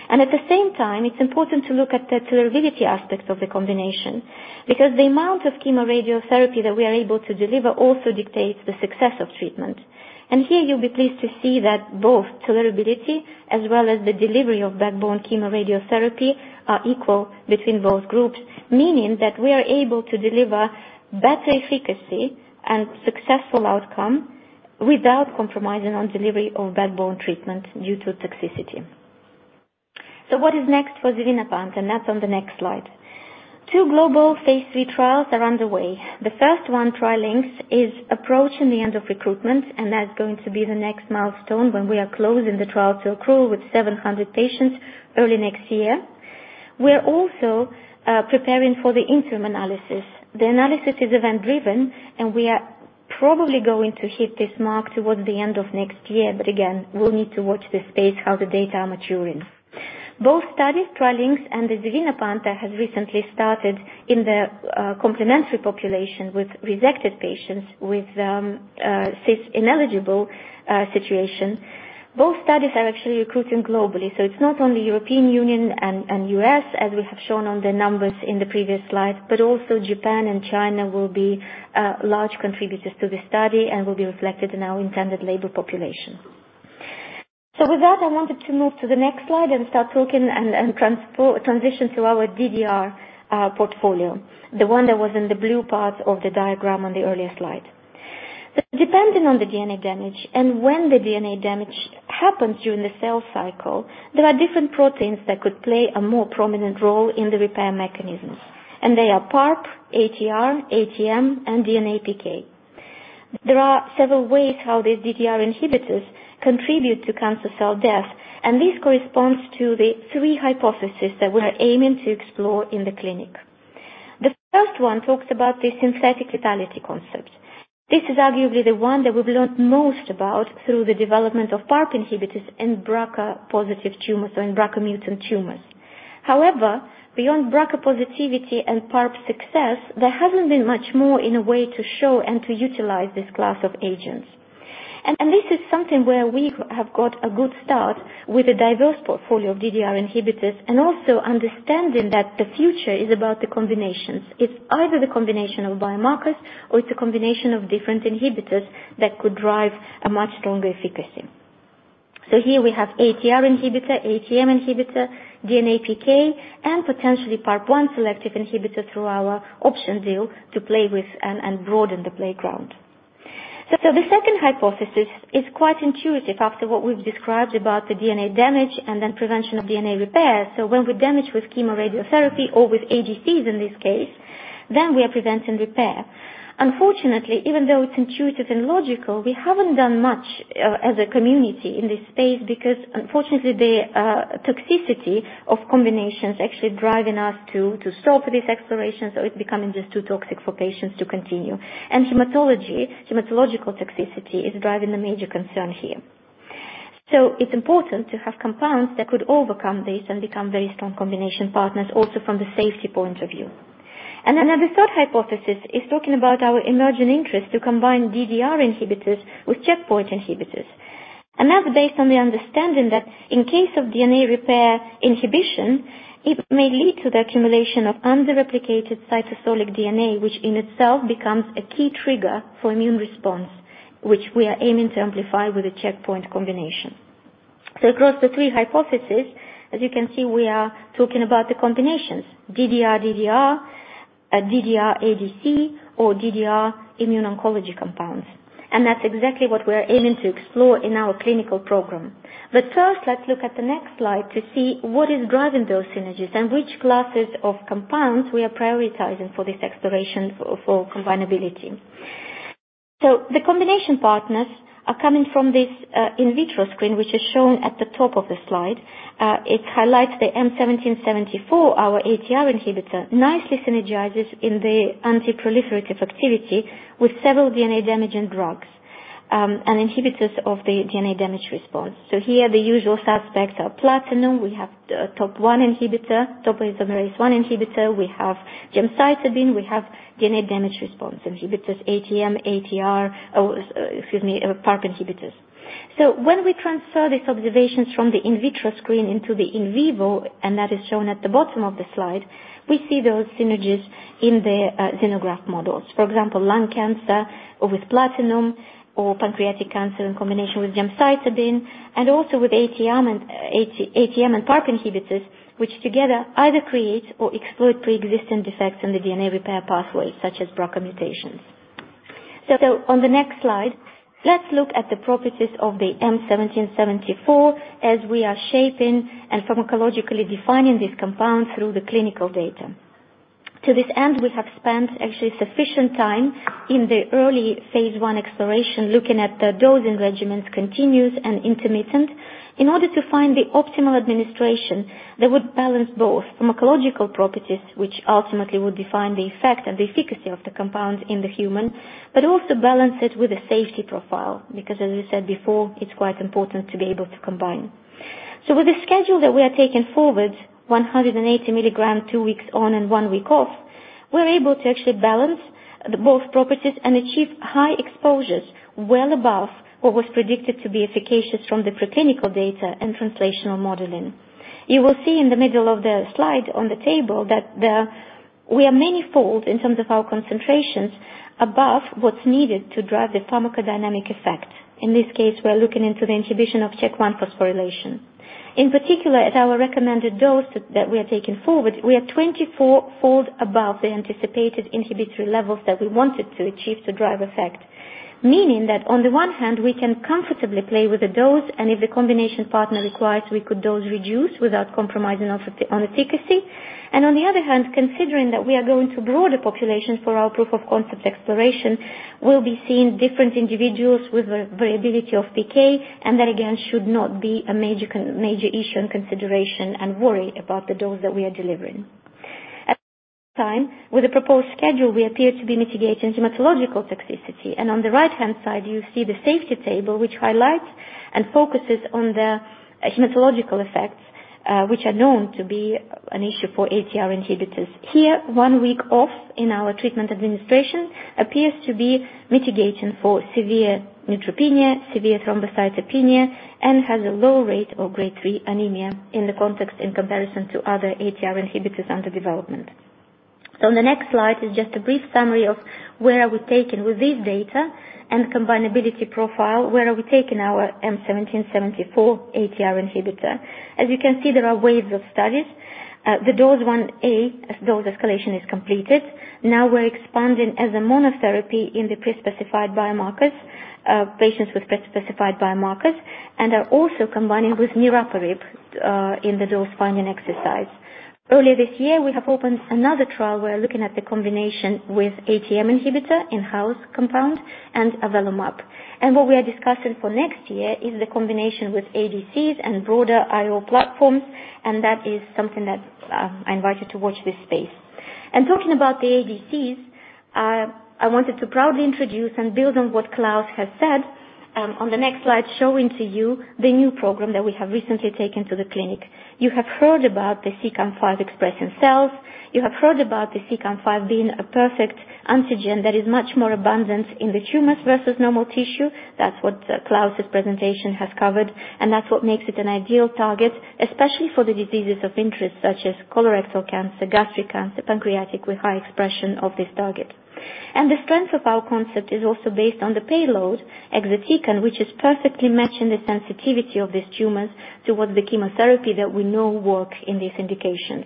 At the same time, it's important to look at the tolerability aspect of the combination because the amount of chemoradiotherapy that we are able to deliver also dictates the success of treatment. Here you'll be pleased to see that both tolerability as well as the delivery of backbone chemoradiotherapy are equal between both groups, meaning that we are able to deliver better efficacy and successful outcome without compromising on delivery of backbone treatment due to toxicity. What is next for Xevinapant? That's on the next slide. Two global phase III trials are underway. The first one, TrilynX, is approaching the end of recruitment, and that's going to be the next milestone when we are closing the trial to accrue with 700 patients early next year. We are also preparing for the interim analysis. The analysis is event-driven, and we are probably going to hit this mark towards the end of next year. Again, we'll need to watch this space how the data are maturing. Both studies, TrilynX and Xevinapant, have recently started in the complementary population with rejected patients with cis-ineligible situation. Both studies are actually recruiting globally, it's not only European Union and U.S., as we have shown on the numbers in the previous slide, but also Japan and China will be large contributors to the study and will be reflected in our intended label population. With that, I wanted to move to the next slide and start talking and transition through our DDR portfolio, the one that was in the blue part of the diagram on the earlier slide. Depending on the DNA damage and when the DNA damage happens during the cell cycle, there are different proteins that could play a more prominent role in the repair mechanisms, and they are PARP, ATR, ATM, and DNA-PK. There are several ways how these DDR inhibitors contribute to cancer cell death, and this corresponds to the three hypotheses that we are aiming to explore in the clinic. The first one talks about the synthetic lethality concept. This is arguably the one that we've learned most about through the development of PARP inhibitors in BRCA-positive tumors or in BRCA mutant tumors. However, beyond BRCA positivity and PARP success, there hasn't been much more in a way to show and to utilize this class of agents. This is something where we have got a good start with a diverse portfolio of DDR inhibitors and also understanding that the future is about the combinations. It's either the combination of biomarkers, or it's a combination of different inhibitors that could drive a much stronger efficacy. Here we have ATR inhibitor, ATM inhibitor, DNA-PK, and potentially PARP1 selective inhibitor through our option deal to play with and broaden the playground. The second hypothesis is quite intuitive after what we've described about the DNA damage and then prevention of DNA repair. When we damage with chemo-radiotherapy or with ADCs in this case, then we are preventing repair. Unfortunately, even though it's intuitive and logical, we haven't done much as a community in this space because unfortunately, the toxicity of combinations actually driving us to stop this exploration, so it's becoming just too toxic for patients to continue. Hematology, hematological toxicity is driving the major concern here. It's important to have compounds that could overcome this and become very strong combination partners also from the safety point of view. The third hypothesis is talking about our emerging interest to combine DDR inhibitors with checkpoint inhibitors. Another based on the understanding that in case of DNA repair inhibition, it may lead to the accumulation of under-replicated cytosolic DNA, which in itself becomes a key trigger for immune response, which we are aiming to amplify with a checkpoint combination. Across the three hypotheses, as you can see, we are talking about the combinations, DDR-DDR, DDR-ADC, or DDR immune oncology compounds. That's exactly what we are aiming to explore in our clinical program. First, let's look at the next slide to see what is driving those synergies and which classes of compounds we are prioritizing for this exploration for combinability. The combination partners are coming from this in vitro screen, which is shown at the top of the slide. It highlights the M1774, our ATR inhibitor, nicely synergizes in the anti-proliferative activity with several DNA-damaging drugs, and inhibitors of the DNA damage response. Here the usual suspects are platinum. We have Top1 inhibitor, Topoisomerase I inhibitor. We have gemcitabine, we have DNA damage response inhibitors, ATM, ATR, excuse me, PARP inhibitors. When we transfer these observations from the in vitro screen into the in vivo, and that is shown at the bottom of the slide, we see those synergies in the xenograft models. For example, lung cancer or with platinum or pancreatic cancer in combination with gemcitabine, and also with ATM and PARP inhibitors, which together either create or exploit pre-existing defects in the DNA repair pathway, such as BRCA mutations. On the next slide, let's look at the properties of the M1774 as we are shaping and pharmacologically defining this compound through the clinical data. To this end, we have spent actually sufficient time in the early phase I exploration, looking at the dosing regimens continuous and intermittent in order to find the optimal administration that would balance both pharmacological properties, which ultimately would define the effect and the efficacy of the compound in the human, but also balance it with a safety profile. Because as I said before, it's quite important to be able to combine. With the schedule that we are taking forward, 180 mg, two weeks on and one week off, we're able to actually balance both properties and achieve high exposures, well above what was predicted to be efficacious from the preclinical data and translational modeling. You will see in the middle of the slide on the table that we are many-fold in terms of our concentrations above what's needed to drive the pharmacodynamic effect. In this case, we are looking into the inhibition of Chk1 phosphorylation. In particular, at our recommended dose that we are taking forward, we are 24-fold above the anticipated inhibitory levels that we wanted to achieve to drive effect. Meaning that on the one hand, we can comfortably play with the dose, if the combination partner requires, we could dose reduce without compromising on efficacy. On the other hand, considering that we are going to broader populations for our proof of concept exploration, we'll be seeing different individuals with variability of PK, and that again should not be a major issue and consideration and worry about the dose that we are delivering. At the same time, with the proposed schedule, we appear to be mitigating hematological toxicity. On the right-hand side, you see the safety table, which highlights and focuses on the hematological effects, which are known to be an issue for ATR inhibitors. Here, one week off in our treatment administration appears to be mitigating for severe neutropenia, severe thrombocytopenia, and has a low rate of grade three anemia in the context in comparison to other ATR inhibitors under development. On the next slide is just a brief summary of where are we taking with this data and combinability profile, where are we taking our M1774 ATR inhibitor. As you can see, there are waves of studies. The dose 1A, as dose escalation is completed. Now we're expanding as a monotherapy in the pre-specified biomarkers, patients with pre-specified biomarkers, and are also combining with niraparib in the dose-finding exercise. Earlier this year, we have opened another trial. We're looking at the combination with ATM inhibitor, in-house compound, and avelumab. What we are discussing for next year is the combination with ADCs and broader IO platforms, and that is something that I invite you to watch this space. Talking about the ADCs, I wanted to proudly introduce and build on what Klaus has said on the next slide, showing to you the new program that we have recently taken to the clinic. You have heard about the CEACAM5 expression cells. You have heard about the CEACAM5 being a perfect antigen that is much more abundant in the tumors versus normal tissue. That's what, Klaus's presentation has covered, and that's what makes it an ideal target, especially for the diseases of interest, such as colorectal cancer, gastric cancer, pancreatic with high expression of this target. The strength of our concept is also based on the payload, exatecan, which has perfectly matched the sensitivity of these tumors towards the chemotherapy that we know work in these indications.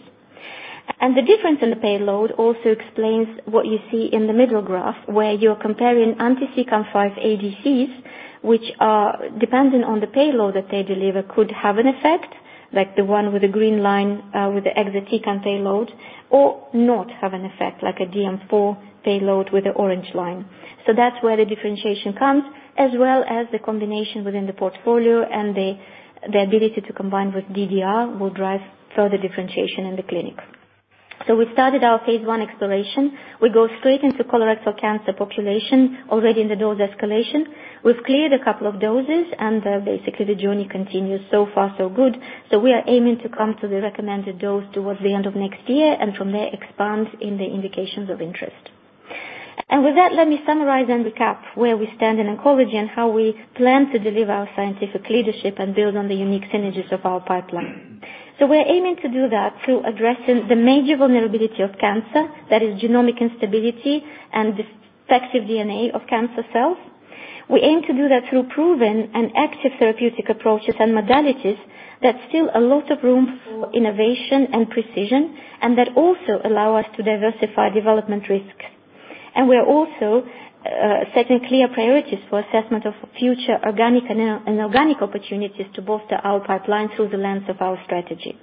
The difference in the payload also explains what you see in the middle graph, where you're comparing anti CEACAM5 ADCs, which are dependent on the payload that they deliver, could have an effect, like the one with the green line, with the exatecan payload, or not have an effect like a DM4 payload with the orange line. That's where the differentiation comes, as well as the combination within the portfolio and the ability to combine with DDR will drive further differentiation in the clinic. We started our phase I exploration. We go straight into colorectal cancer population already in the dose escalation. We've cleared a couple of doses and basically the journey continues. So far, so good. We are aiming to come to the recommended dose towards the end of next year and from there expand in the indications of interest. With that, let me summarize and recap where we stand in oncology and how we plan to deliver our scientific leadership and build on the unique synergies of our pipeline. We're aiming to do that through addressing the major vulnerability of cancer, that is genomic instability and defective DNA of cancer cells. We aim to do that through proven and active therapeutic approaches and modalities. There's still a lot of room for innovation and precision, that also allow us to diversify development risk. We are also setting clear priorities for assessment of future organic opportunities to bolster our pipeline through the lens of our strategy.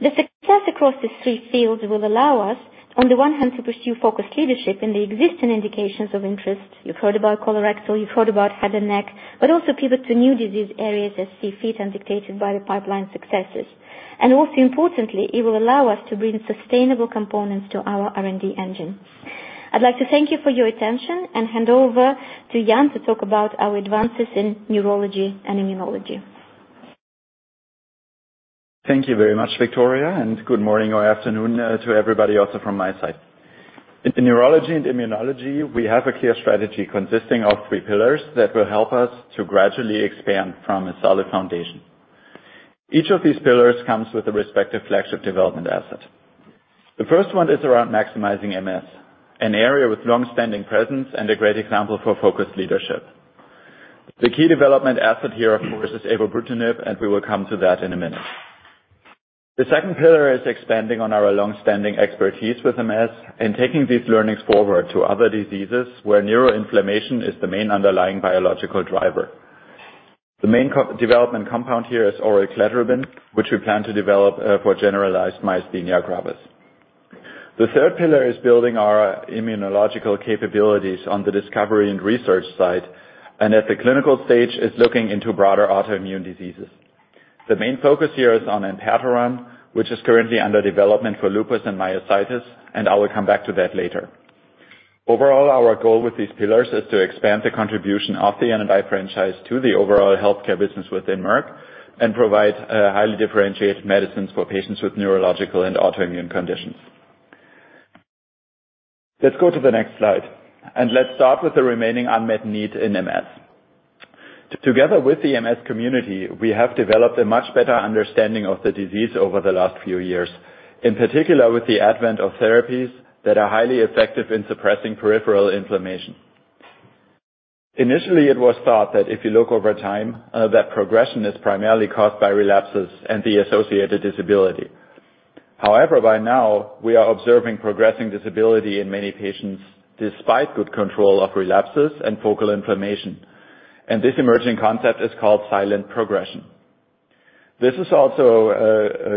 The success across these three fields will allow us, on the one hand, to pursue focused leadership in the existing indications of interest. You've heard about colorectal, you've heard about head and neck, also pivot to new disease areas as see fit and dictated by the pipeline successes. Most importantly, it will allow us to bring sustainable components to our R&D engine. I'd like to thank you for your attention and hand over to Jan to talk about our advances in neurology and immunology. Thank you very much, Victoria, and good morning or afternoon to everybody also from my side. In neurology and immunology, we have a clear strategy consisting of three pillars that will help us to gradually expand from a solid foundation. Each of these pillars comes with a respective flagship development asset. The first one is around maximizing MS, an area with long-standing presence and a great example for focused leadership. The key development asset here, of course, is Evobrutinib, and we will come to that in a minute. The second pillar is expanding on our long-standing expertise with MS and taking these learnings forward to other diseases where neuroinflammation is the main underlying biological driver. The main development compound here is oral cladribine, which we plan to develop for generalized myasthenia gravis. The third pillar is building our immunological capabilities on the discovery and research side, and at the clinical stage is looking into broader autoimmune diseases. The main focus here is on Enpatoran, which is currently under development for lupus and myositis, and I will come back to that later. Overall, our goal with these pillars is to expand the contribution of the N&I franchise to the overall healthcare business within Merck and provide highly differentiated medicines for patients with neurological and autoimmune conditions. Let's go to the next slide, and let's start with the remaining unmet need in MS. Together with the MS community, we have developed a much better understanding of the disease over the last few years, in particular with the advent of therapies that are highly effective in suppressing peripheral inflammation. Initially, it was thought that if you look over time, that progression is primarily caused by relapses and the associated disability. However, by now, we are observing progressing disability in many patients despite good control of relapses and focal inflammation. This emerging concept is called silent progression. This is also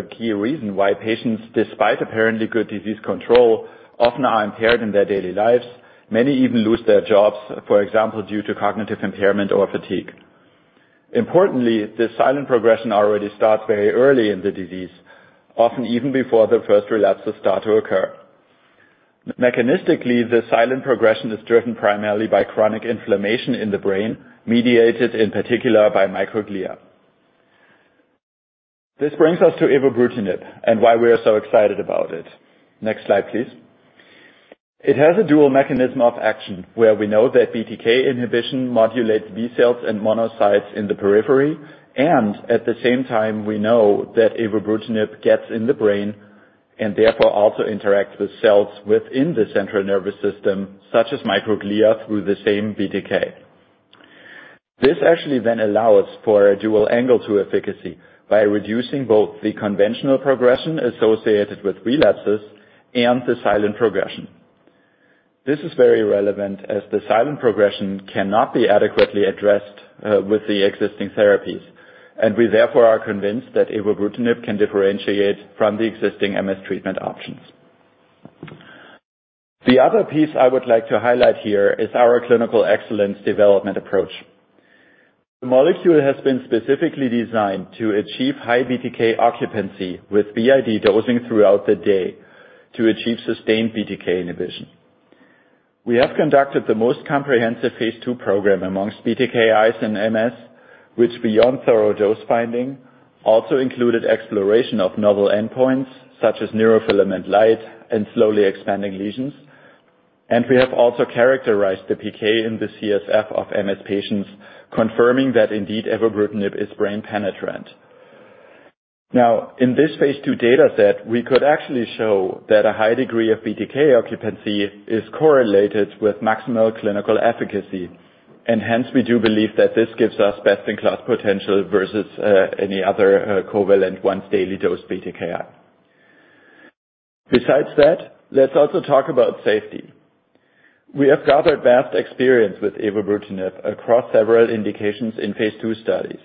a key reason why patients, despite apparently good disease control, often are impaired in their daily lives. Many even lose their jobs, for example, due to cognitive impairment or fatigue. Importantly, this silent progression already starts very early in the disease, often even before the first relapses start to occur. Mechanistically, the silent progression is driven primarily by chronic inflammation in the brain, mediated in particular by microglia. This brings us to Evobrutinib and why we are so excited about it. Next slide, please. It has a dual mechanism of action where we know that BTK inhibition modulates B cells and monocytes in the periphery, and at the same time, we know that Evobrutinib gets in the brain and therefore also interacts with cells within the central nervous system, such as microglia, through the same BTK. This actually then allows for a dual angle to efficacy by reducing both the conventional progression associated with relapses and the silent progression. This is very relevant as the silent progression cannot be adequately addressed with the existing therapies. We therefore are convinced that Evobrutinib can differentiate from the existing MS treatment options. The other piece I would like to highlight here is our clinical excellence development approach. The molecule has been specifically designed to achieve high BTK occupancy with BID dosing throughout the day to achieve sustained BTK inhibition. We have conducted the most comprehensive phase II program amongst BTKi in MS, which beyond thorough dose finding, also included exploration of novel endpoints such as neurofilament light and slowly expanding lesions. We have also characterized the PK in the CSF of MS patients, confirming that indeed Evobrutinib is brain penetrant. Now, in this phase II data set, we could actually show that a high degree of BTK occupancy is correlated with maximal clinical efficacy. Hence, we do believe that this gives us best-in-class potential versus any other covalent once-daily dose BTKi. Besides that, let's also talk about safety. We have gathered vast experience with Evobrutinib across several indications in phase II studies.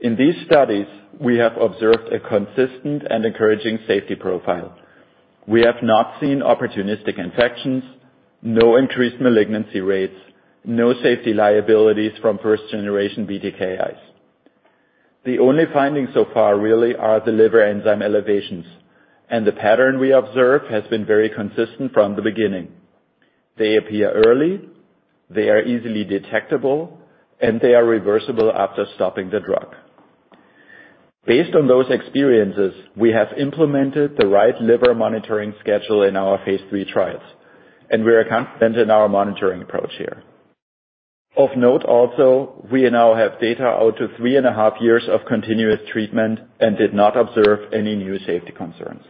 In these studies, we have observed a consistent and encouraging safety profile. We have not seen opportunistic infections, no increased malignancy rates, no safety liabilities from first-generation BTKis. The only finding so far really are the liver enzyme elevations. The pattern we observe has been very consistent from the beginning. They appear early, they are easily detectable, and they are reversible after stopping the drug. Based on those experiences, we have implemented the right liver monitoring schedule in our phase III trials, and we are confident in our monitoring approach here. Of note also, we now have data out to three and half years of continuous treatment and did not observe any new safety concerns.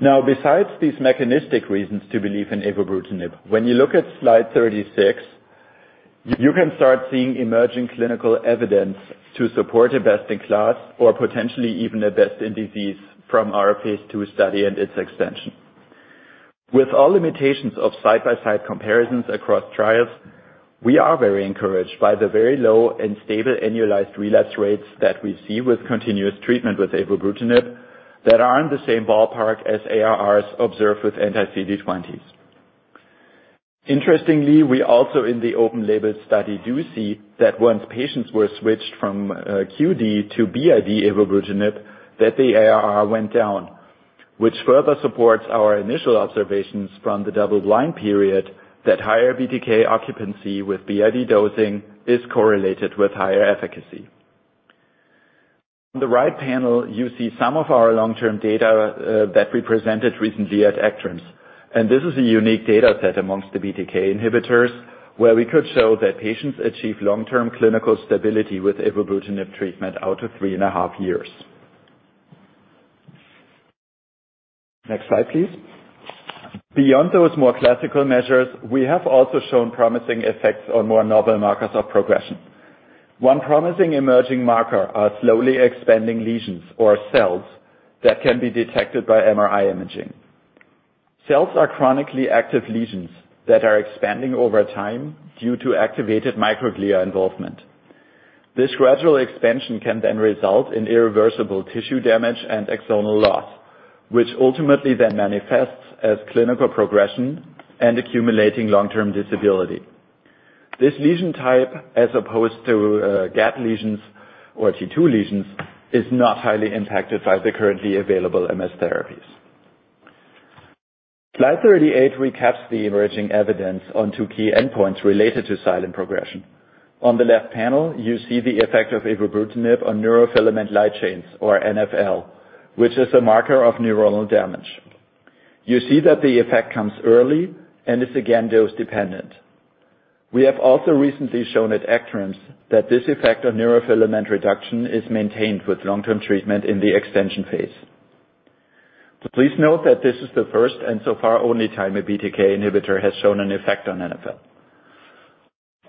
Besides these mechanistic reasons to believe in Evobrutinib, when you look at slide 36, you can start seeing emerging clinical evidence to support a best-in-class or potentially even a best-in-disease from our phase II study and its extension. With all limitations of side-by-side comparisons across trials, we are very encouraged by the very low and stable annualized relapse rates that we see with continuous treatment with Evobrutinib that are in the same ballpark as ARR observed with anti-CD20s. Interestingly, we also in the open-label study, do see that once patients were switched from QD to BID Evobrutinib, that the ARR went down, which further supports our initial observations from the double-blind period that higher BTK occupancy with BID dosing is correlated with higher efficacy. On the right panel, you see some of our long-term data that we presented recently at ACTRIMS, and this is a unique data set amongst the BTK inhibitors, where we could show that patients achieve long-term clinical stability with Evobrutinib treatment out to three and half years. Next slide, please. Beyond those more classical measures, we have also shown promising effects on more novel markers of progression. One promising emerging marker are slowly expanding lesions or cells that can be detected by MRI imaging. Cells are chronically active lesions that are expanding over time due to activated microglia involvement. This gradual expansion can result in irreversible tissue damage and axonal loss, which ultimately then manifests as clinical progression and accumulating long-term disability. This lesion type, as opposed to GAP lesions or T2 lesions, is not highly impacted by the currently available MS therapies. Slide 38 recaps the emerging evidence on two key endpoints related to silent progression. On the left panel, you see the effect of Ibrutinib on neurofilament light chains or NfL, which is a marker of neuronal damage. You see that the effect comes early and is again, dose dependent. We have also recently shown at ACTRIMS that this effect on neurofilament reduction is maintained with long-term treatment in the extension phase. Please note that this is the first and so far only time a BTK inhibitor has shown an effect on NfL.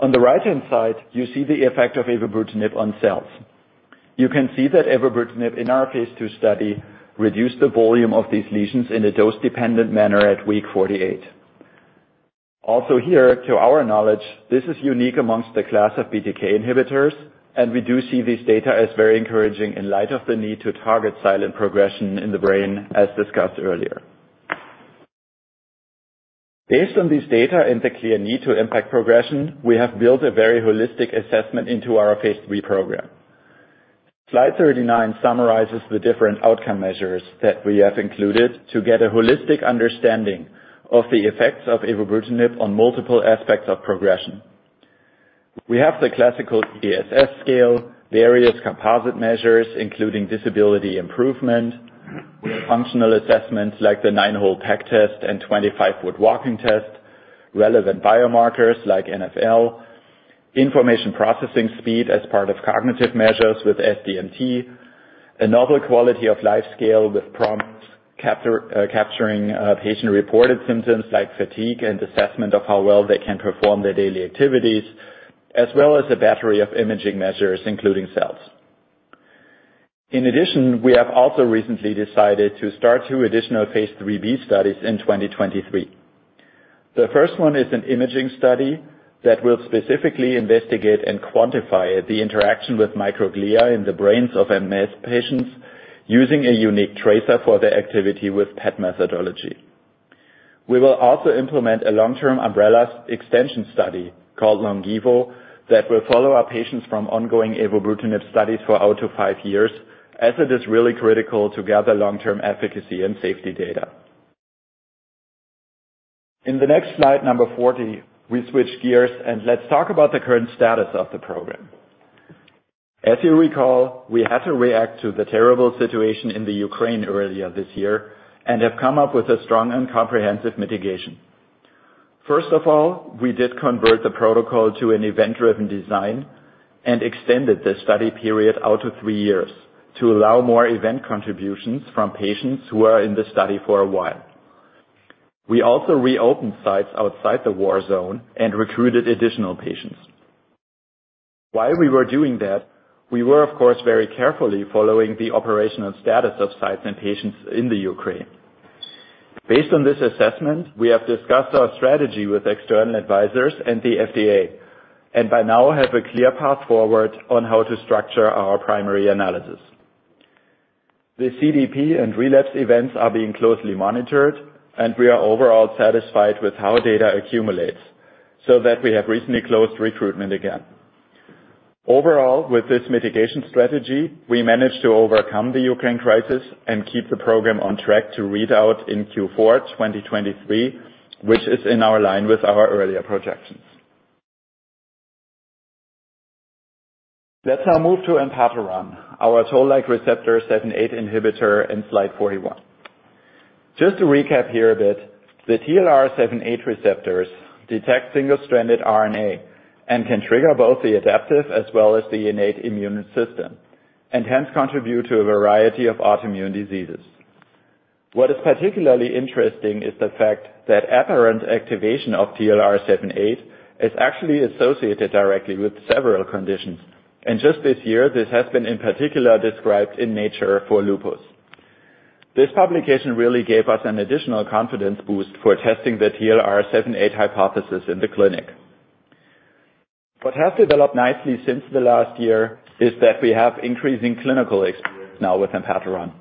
On the right-hand side, you see the effect of Evobrutinib on cells. You can see that Evobrutinib in our phase II study reduced the volume of these lesions in a dose-dependent manner at week 48. Here, to our knowledge, this is unique amongst the class of BTK inhibitors, and we do see this data as very encouraging in light of the need to target silent progression in the brain as discussed earlier. Based on this data and the clear need to impact progression, we have built a very holistic assessment into our phase III program. Slide 39 summarizes the different outcome measures that we have included to get a holistic understanding of the effects of Evobrutinib on multiple aspects of progression. We have the classical EDSS scale, various composite measures, including disability improvement, functional assessments like the Nine-Hole Peg Test and 25-Foot Walking test, relevant biomarkers like NfL, information processing speed as part of cognitive measures with SDMT, a novel quality of life scale with PROMIS capturing patient-reported symptoms like fatigue and assessment of how well they can perform their daily activities, as well as a battery of imaging measures, including cells. In addition, we have also recently decided to start two additional phase III-B studies in 2023. The first one is an imaging study that will specifically investigate and quantify the interaction with microglia in the brains of MS patients using a unique tracer for the activity with PET methodology. We will also implement a long-term umbrella extension study called Longevo that will follow our patients from ongoing Evobrutinib studies for out to five years, as it is really critical to gather long-term efficacy and safety data. In the next slide, number 40, we switch gears and let's talk about the current status of the program. As you recall, we had to react to the terrible situation in Ukraine earlier this year and have come up with a strong and comprehensive mitigation. First of all, we did convert the protocol to an event-driven design and extended the study period out to three years to allow more event contributions from patients who are in the study for a while. We also reopened sites outside the war zone and recruited additional patients While we were doing that, we were of course, very carefully following the operational status of sites and patients in the Ukraine. Based on this assessment, we have discussed our strategy with external advisors and the FDA, by now have a clear path forward on how to structure our primary analysis. The CDP and relapse events are being closely monitored, we are overall satisfied with how data accumulates so that we have recently closed recruitment again. Overall, with this mitigation strategy, we managed to overcome the Ukraine crisis and keep the program on track to read out in Q4 2023, which is in our line with our earlier projections. Let's now move to Enpatoran, our TLR7/8 inhibitor in slide 41. Just to recap here a bit, the TLR7/8 receptors detect single-stranded RNA and can trigger both the adaptive as well as the innate immune system, and hence contribute to a variety of autoimmune diseases. What is particularly interesting is the fact that apparent activation of TLR7/8 is actually associated directly with several conditions, and just this year, this has been in particular described in Nature for lupus. This publication really gave us an additional confidence boost for testing the TLR7/8 hypothesis in the clinic. What has developed nicely since the last year is that we have increasing clinical experience now with Enpatoran.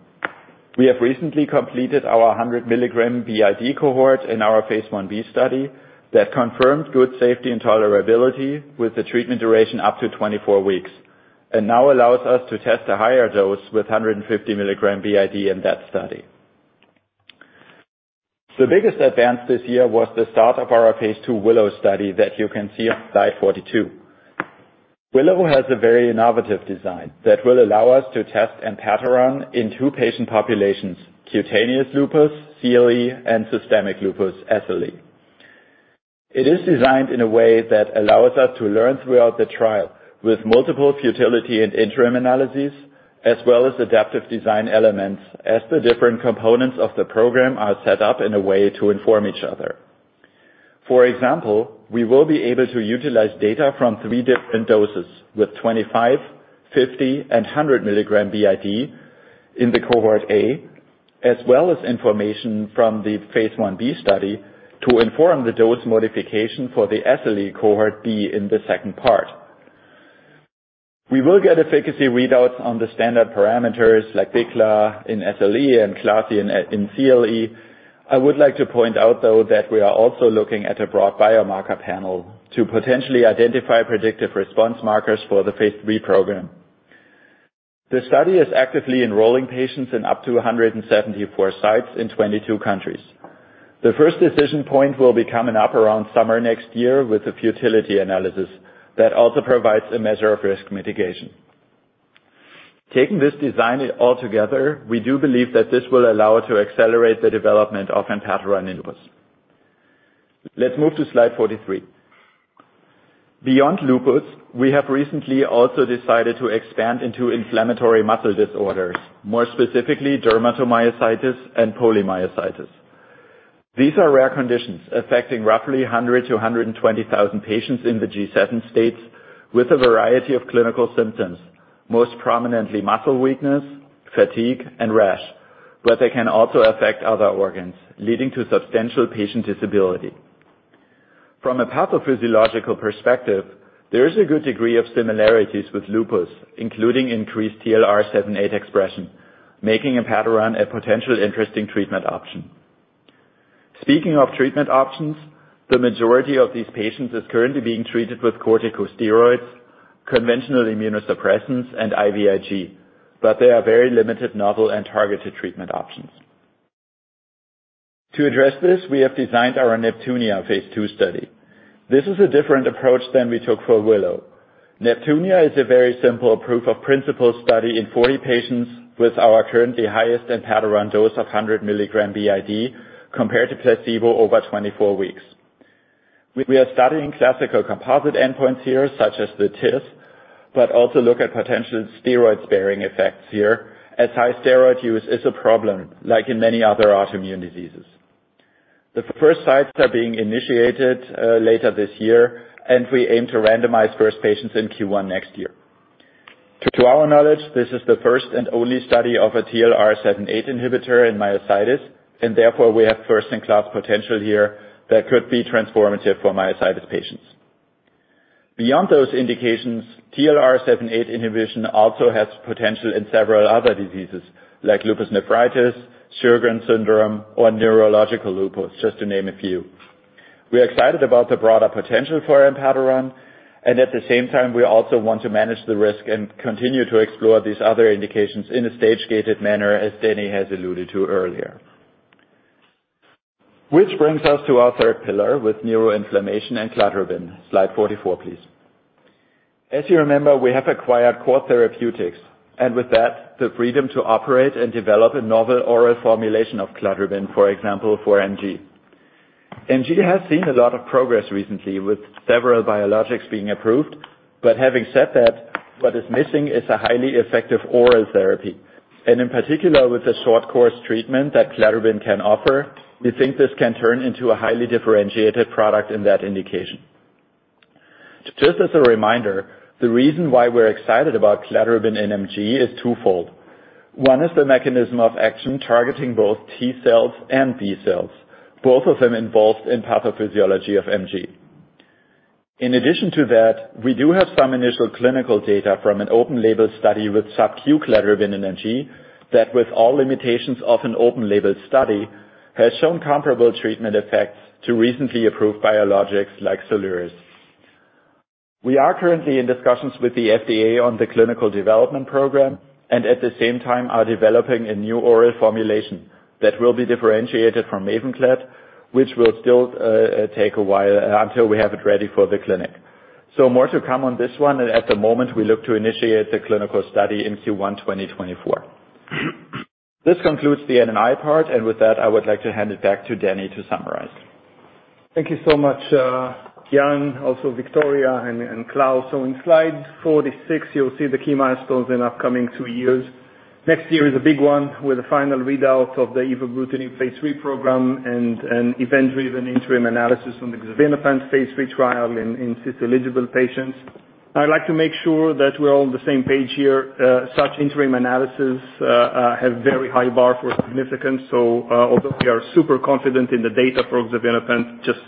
We have recently completed our 100 mg BID cohort in our phase 1-B study that confirms good safety and tolerability with the treatment duration up to 24 weeks, and now allows us to test a higher dose with 150 mg BID in that study. The biggest advance this year was the start of our phase II WILLOW study that you can see on slide 42. WILLOW has a very innovative design that will allow us to test Enpatoran in two patient populations, cutaneous lupus, CLE, and systemic lupus, SLE. It is designed in a way that allows us to learn throughout the trial with multiple futility and interim analyses, as well as adaptive design elements as the different components of the program are set up in a way to inform each other. For example, we will be able to utilize data from three different doses, with 25, 50, and 100 mg BID in the cohort A, as well as information from the phase 1-B study to inform the dose modification for the SLE cohort B in the second part. We will get efficacy readouts on the standard parameters like BICLA in SLE and CLASI in CLE. I would like to point out, though, that we are also looking at a broad biomarker panel to potentially identify predictive response markers for the phase III program. The study is actively enrolling patients in up to 174 sites in 22 countries. The first decision point will be coming up around summer next year with a futility analysis that also provides a measure of risk mitigation. Taking this design all together, we do believe that this will allow to accelerate the development of Enpatoran in Lupus. Let's move to slide 43. Beyond Lupus, we have recently also decided to expand into inflammatory muscle disorders, more specifically dermatomyositis and polymyositis. These are rare conditions affecting roughly 100,000-120,000 patients in the G7 states with a variety of clinical symptoms, most prominently muscle weakness, fatigue, and rash, they can also affect other organs, leading to substantial patient disability. From a pathophysiological perspective, there is a good degree of similarities with Lupus, including increased TLR7/8 expression, making Enpatoran a potentially interesting treatment option. Speaking of treatment options, the majority of these patients is currently being treated with corticosteroids, conventional immunosuppressants, and IVIG, there are very limited novel and targeted treatment options. To address this, we have designed our NEPTUNIA phase II study. This is a different approach than we took for WILLOW. NEPTUNIA is a very simple proof-of-principle study in 40 patients with our currently highest Enpatoran dose of 100 mg BID compared to placebo over 24 weeks. We are studying classical composite endpoints here, such as the TIF, but also look at potential steroid-sparing effects here, as high steroid use is a problem, like in many other autoimmune diseases. The first sites are being initiated later this year, and we aim to randomize first patients in Q1 next year. To our knowledge, this is the first and only study of a TLR7/8 inhibitor in myositis, and therefore we have first-in-class potential here that could be transformative for myositis patients. Beyond those indications, TLR7/8 inhibition also has potential in several other diseases like lupus nephritis, Sjögren's syndrome, or neurological lupus, just to name a few. We are excited about the broader potential for Enpatoran. At the same time, we also want to manage the risk and continue to explore these other indications in a stage-gated manner, as Danny has alluded to earlier. Which brings us to our third pillar with neuroinflammation and Cladribine. Slide 44, please. As you remember, we have acquired Caraway Therapeutics, and with that, the freedom to operate and develop a novel oral formulation of Cladribine, for example, for MG. MG has seen a lot of progress recently with several biologics being approved, but having said that, what is missing is a highly effective oral therapy. In particular, with the short course treatment that Cladribine can offer, we think this can turn into a highly differentiated product in that indication. Just as a reminder, the reason why we're excited about Cladribine in MG is twofold. One is the mechanism of action targeting both T cells and B cells, both of them involved in pathophysiology of MG. In addition to that, we do have some initial clinical data from an open label study with subcu cladribine in MG that with all limitations of an open label study, has shown comparable treatment effects to recently approved biologics like SOLIRIS. We are currently in discussions with the FDA on the clinical development program, and at the same time are developing a new oral formulation that will be differentiated from MAVENCLAD, which will still take a while until we have it ready for the clinic. More to come on this one, and at the moment, we look to initiate the clinical study in Q1 2024. This concludes the N&I part, and with that, I would like to hand it back to Danny to summarize. Thank you so much, Jan, also Victoria and Klaus. In slide 46, you'll see the key milestones in upcoming two years. Next year is a big one with a final readout of the Evobrutinib phase III program and an event-driven interim analysis from the Xevinapant phase III trial in cis-eligible patients. I'd like to make sure that we're on the same page here. Such interim analysis have very high bar for significance. Although we are super confident in the data for Xevinapant, just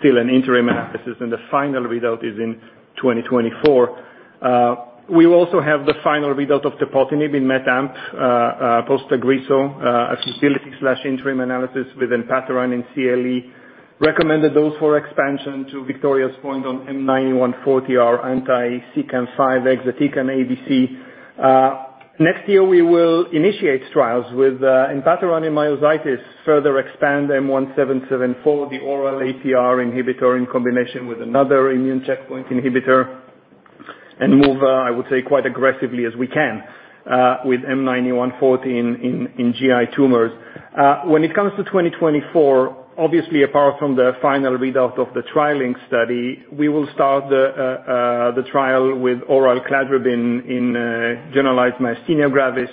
still an interim analysis, and the final readout is in 2024. We also have the final readout of Tepotinib in METamp post Agriso, a feasibility/interim analysis with Enpatoran in CLE. Recommended dose for expansion to Victoria's point on M9140, our anti-CEACAM5 exatecan ADC. Next year we will initiate trials with Enpatoran in myositis, further expand M1774, the oral ATR inhibitor in combination with another immune checkpoint inhibitor, and move, I would say, quite aggressively as we can, with M9140 in GI tumors. When it comes to 2024, obviously, apart from the final readout of the TrilynX study, we will start the trial with oral Cladribine in generalized Myasthenia Gravis,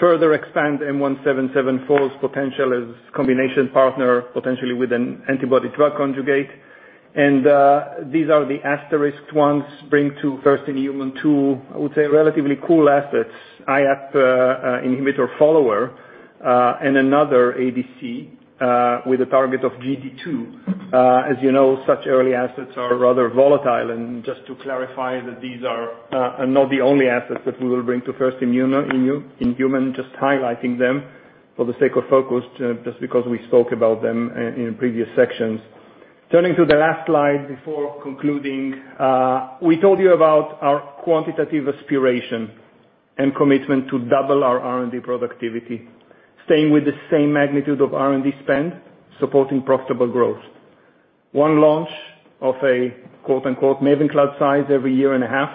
further expand M1774's potential as combination partner, potentially with an antibody-drug conjugate. These are the asterisked ones, bring to first in human two, I would say, relatively cool assets, IF, inhibitor follower, and another ADC with a target of GD2. As you know, such early assets are rather volatile. Just to clarify that these are not the only assets that we will bring to first in human, just highlighting them for the sake of focus, just because we spoke about them in previous sections. Turning to the last slide before concluding, we told you about our quantitative aspiration and commitment to double our R&D productivity, staying with the same magnitude of R&D spend, supporting profitable growth. One launch of a quote-unquote MAVENCLAD size every year and a half,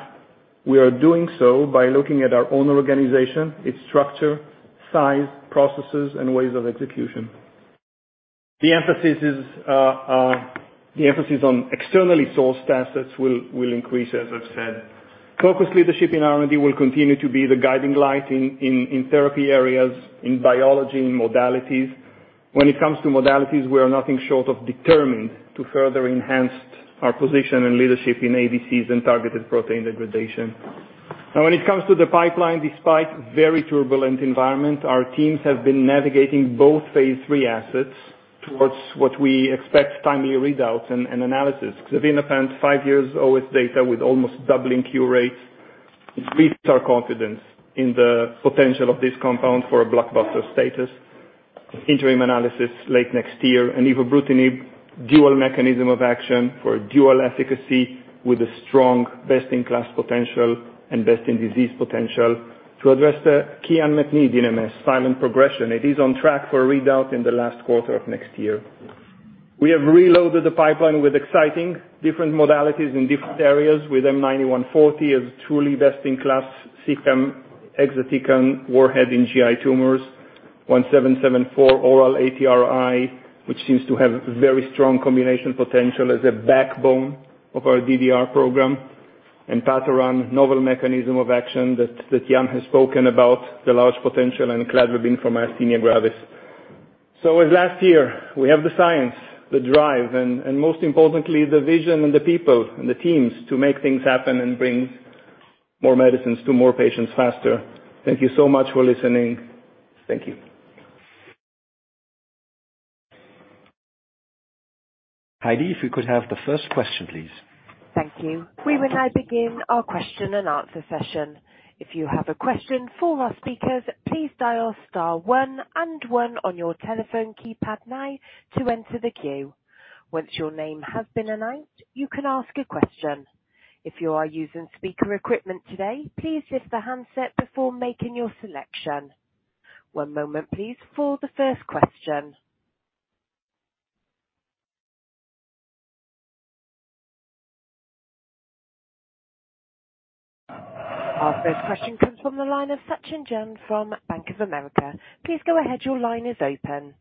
we are doing so by looking at our own organization, its structure, size, processes, and ways of execution. The emphasis is the emphasis on externally sourced assets will increase, as I've said. Focused leadership in R&D will continue to be the guiding light in therapy areas, in biology, in modalities. When it comes to modalities, we are nothing short of determined to further enhance our position and leadership in ADCs and targeted protein degradation. When it comes to the pipeline, despite very turbulent environment, our teams have been navigating both phase III assets towards what we expect timely readouts and analysis. Xevinapant, five years OS data with almost doubling cure rates, it breeds our confidence in the potential of this compound for a blockbuster status. Interim analysis late next year, Evobrutinib, dual mechanism of action for dual efficacy with a strong best-in-class potential and best-in-disease potential to address the key unmet need in MS, silent progression. It is on track for a readout in the last quarter of next year. We have reloaded the pipeline with exciting different modalities in different areas with M9140 as truly best-in-class CEACAM5 warhead in GI tumors. M1774 oral ATRI, which seems to have very strong combination potential as a backbone of our DDR program and Pateran, novel mechanism of action that Jan has spoken about the large potential and Cladribine for Myasthenia Gravis. As last year, we have the science, the drive, and most importantly, the vision and the people and the teams to make things happen and bring more medicines to more patients faster. Thank you so much for listening. Thank you. Heidi, if we could have the first question, please. Thank you. We will now begin our question-and-answer session. If you have a question for our speakers, please dial star one and one on your telephone keypad now to enter the queue. Once your name has been announced, you can ask a question. If you are using speaker equipment today, please lift the handset before making your selection. One moment please for the first question. Our first question comes from the line of Sachin Jain from Bank of America. Please go ahead. Your line is open.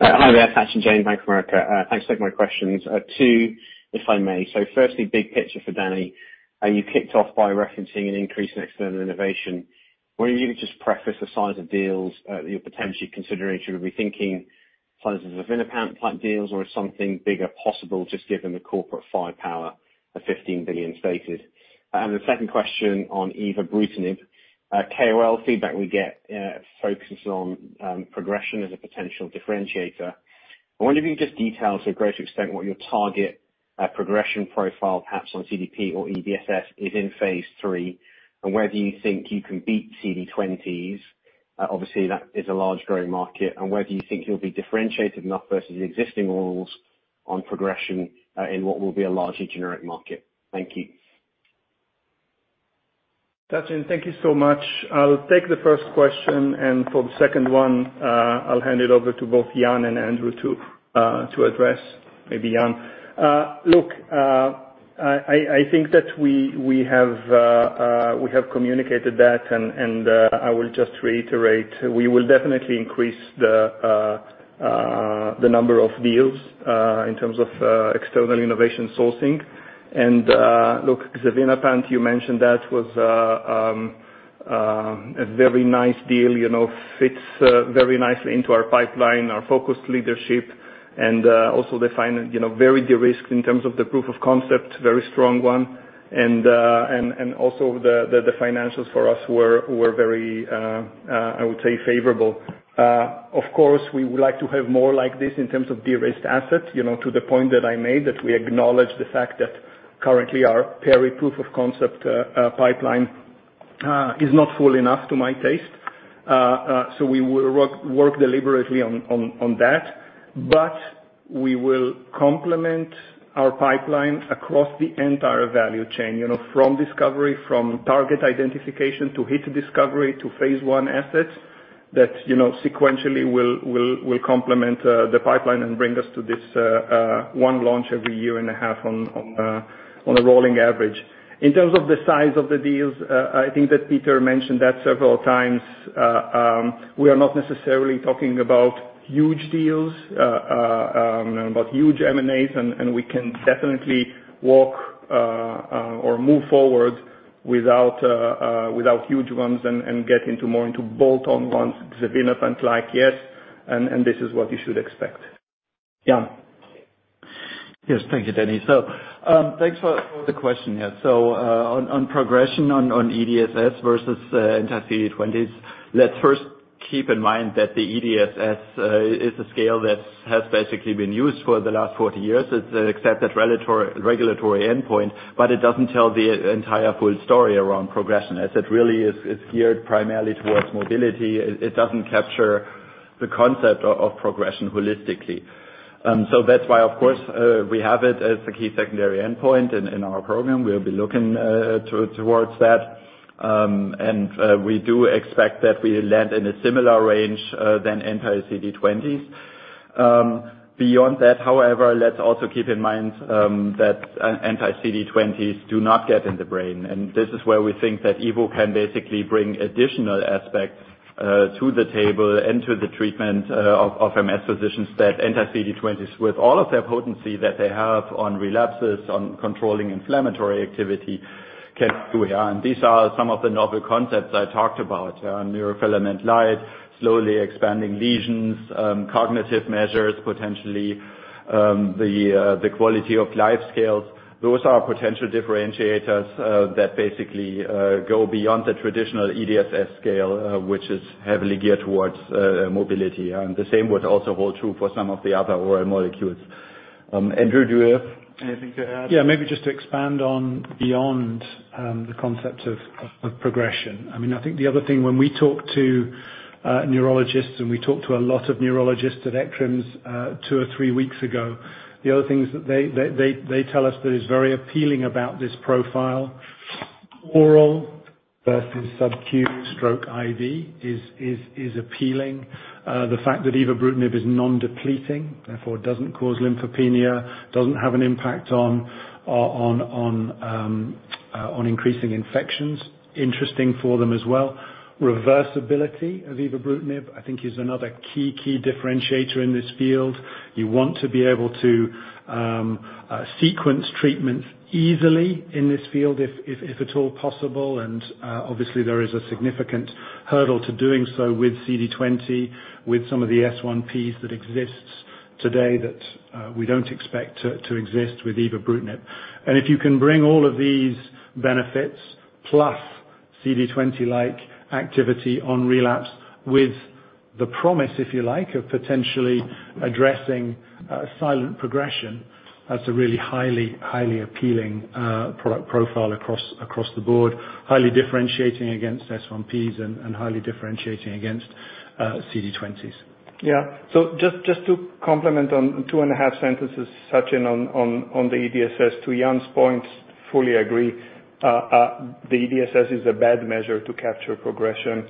Hi there, Sachin Jain, Bank of America. Thanks for taking my questions. Two, if I may. Firstly, big picture for Danny. You kicked off by referencing an increase in external innovation. Wondering if you could just preface the size of deals that you're potentially considering. Should we be thinking sizes of inipant type deals, or is something bigger possible just given the corporate firepower of $15 billion stated? The second question on Evobrutinib. KOL feedback we get focuses on progression as a potential differentiator. I wonder if you can just detail to a greater extent what your target progression profile, perhaps on CDP or EDSS, is in phase III, and whether you think you can beat CD20s. Obviously that is a large growing market. Whether you think you'll be differentiated enough versus the existing rules on progression, in what will be a largely generic market. Thank you. Sachin, thank you so much. I'll take the first question, and for the second one, I'll hand it over to both Jan and Andrew to address. Maybe Jan. Look, I think that we have communicated that and I will just reiterate, we will definitely increase the number of deals in terms of external innovation sourcing. Look, Xevinapant, you mentioned that was a very nice deal. You know, fits very nicely into our pipeline, our focused leadership, and also define, you know, very de-risked in terms of the proof of concept, very strong one. Also the financials for us were very, I would say, favorable. Of course, we would like to have more like this in terms of de-risked assets, you know, to the point that I made, that we acknowledge the fact that currently our peri-proof of concept pipeline is not full enough to my taste. So we will work deliberately on that. We will complement our pipeline across the entire value chain, you know, from discovery, from target identification to hit discovery to phase I assets that, you know, sequentially will complement the pipeline and bring us to this one launch every year and a half on a rolling average. In terms of the size of the deals, I think that Peter mentioned that several times. We are not necessarily talking about huge deals, about huge M&As, and we can definitely walk or move forward without huge ones and get into more into bolt-on ones, Xevinapant-like, yes. This is what you should expect, Jan. Yes. Thank you, Danny. Thanks for the question. Yeah. On progression on EDSS versus anti-CD20, let's first keep in mind that the EDSS is a scale that has basically been used for the last 40 years. It's an accepted relator-regulatory endpoint, but it doesn't tell the entire full story around progression, as it really is geared primarily towards mobility. It doesn't capture the concept of progression holistically. That's why of course, we have it as a key secondary endpoint in our program. We'll be looking towards that. And we do expect that we land in a similar range than anti-CD20s. Beyond that, however, let's also keep in mind that anti-CD20s do not get in the brain, and this is where we think that evo can basically bring additional aspects to the table and to the treatment of MS physicians that anti-CD20s, with all of their potency that they have on relapses, on controlling inflammatory activity, can do here. These are some of the novel concepts I talked about, neurofilament light, slowly expanding lesions, cognitive measures, potentially, the quality of life scales. Those are potential differentiators that basically go beyond the traditional EDSS scale, which is heavily geared towards mobility. The same would also hold true for some of the other oral molecules. Andrew, do you have anything to add? Yeah, maybe just to expand on beyond the concept of progression. I mean, I think the other thing when we talk to neurologists, and we talked to a lot of neurologists at ECTRIMS two or three weeks ago, the other things that they tell us that is very appealing about this profile, oral versus subcu stroke IV is appealing. The fact that belzutifan is non-depleting, therefore doesn't cause lymphopenia, doesn't have an impact on increasing infections, interesting for them as well. Reversibility of belzutifan, I think is another key differentiator in this field. You want to be able to sequence treatments easily in this field if at all possible. Obviously there is a significant hurdle to doing so with CD20, with some of the S1Ps that exists today that we don't expect to exist with belzutifan. If you can bring all of these benefits plus CD20-like activity on relapse with the promise, if you like, of potentially addressing silent progression, that's a really highly appealing product profile across the board. Highly differentiating against S1Ps and highly differentiating against CD20s. Yeah. Just to complement on two and a half sentences, Sachin Jain, on the EDSS, to Jan's points, fully agree. The EDSS is a bad measure to capture progression.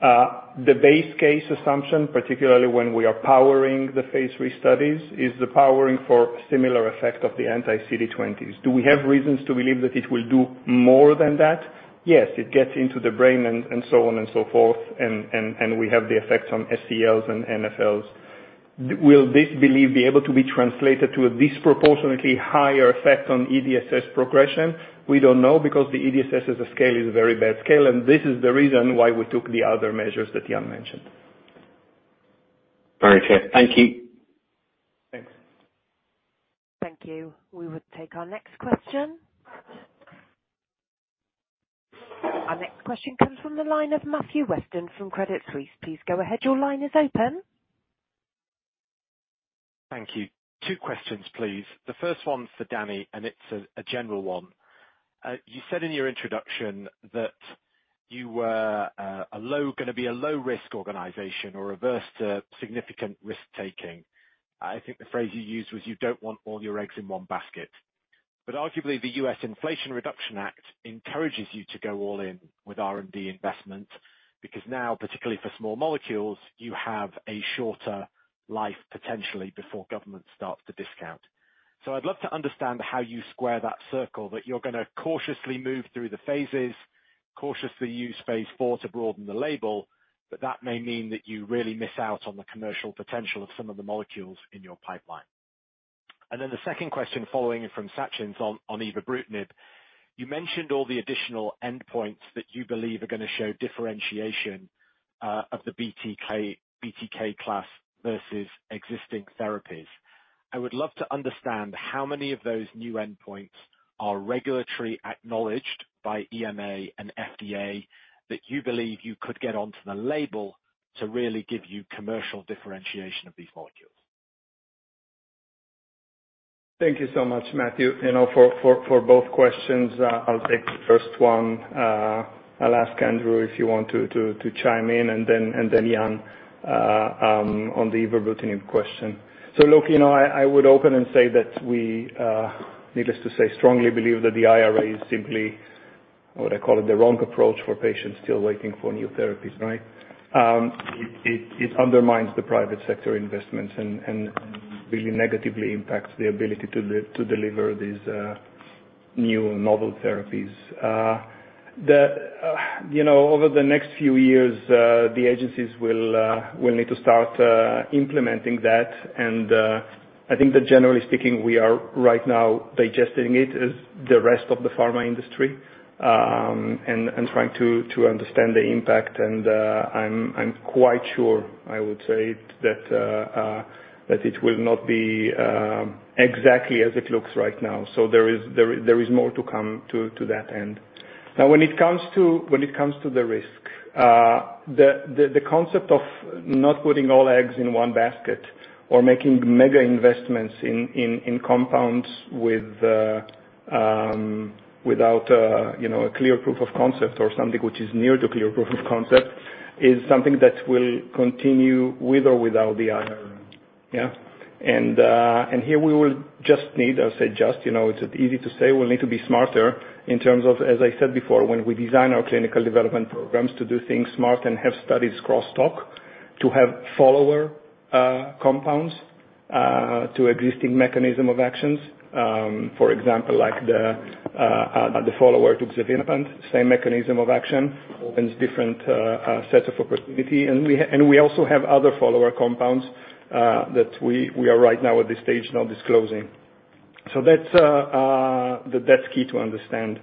The base case assumption, particularly when we are powering the phase III studies, is the powering for similar effect of the anti-CD20s. Do we have reasons to believe that it will do more than that? Yes. It gets into the brain and so on and so forth, and we have the effects on sNfL and NfLs. Will this belief be able to be translated to a disproportionately higher effect on EDSS progression? We don't know because the EDSS as a scale is a very bad scale, and this is the reason why we took the other measures that Jan mentioned. Very clear. Thank you. Thanks. Thank you. We would take our next question. Our next question comes from the line of Matthew Weston from Credit Suisse. Please go ahead. Your line is open. Thank you. Two questions, please. The first one's for Danny, and it's a general one. You said in your introduction that you were gonna be a low-risk organization or averse to significant risk-taking. I think the phrase you used was you don't want all your eggs in one basket. Arguably, the U.S. Inflation Reduction Act encourages you to go all in with R&D investment, because now, particularly for small molecules, you have a shorter life potentially before government starts to discount. I'd love to understand how you square that circle, that you're gonna cautiously move through the phases, cautiously use phase IV to broaden the label, but that may mean that you really miss out on the commercial potential of some of the molecules in your pipeline. The second question following from Sachin's on ibrutinib, you mentioned all the additional endpoints that you believe are going to show differentiation of the BTK class versus existing therapies. I would love to understand how many of those new endpoints are regulatory acknowledged by EMA and FDA that you believe you could get onto the label to really give you commercial differentiation of these molecules. Thank you so much, Matthew. You know, for both questions, I'll take the first one. I'll ask Andrew if you want to chime in, and then Jan on the belzutifan question. Look, you know, I would open and say that we, needless to say, strongly believe that the IRA is simply, what I call it, the wrong approach for patients still waiting for new therapies, right? It undermines the private sector investments and really negatively impacts the ability to deliver these new novel therapies. The, you know, over the next few years, the agencies will need to start implementing that. I think that generally speaking, we are right now digesting it as the rest of the pharma industry, and trying to understand the impact. I'm quite sure, I would say, that it will not be exactly as it looks right now. There is more to come to that end. Now, when it comes to the risk, the concept of not putting all eggs in one basket or making mega investments in compounds with, without, you know, a clear proof of concept or something which is near to clear proof of concept is something that will continue with or without the IRA. Yeah. Here we will just need, I'll say just, you know, it's easy to say we'll need to be smarter in terms of, as I said before, when we design our clinical development programs to do things smart and have studies cross-talk, to have follower compounds to existing mechanism of actions. For example, like the follower to Xevinapant, same mechanism of action opens different sets of opportunity. We also have other follower compounds that we are right now at this stage not disclosing. That's key to understand.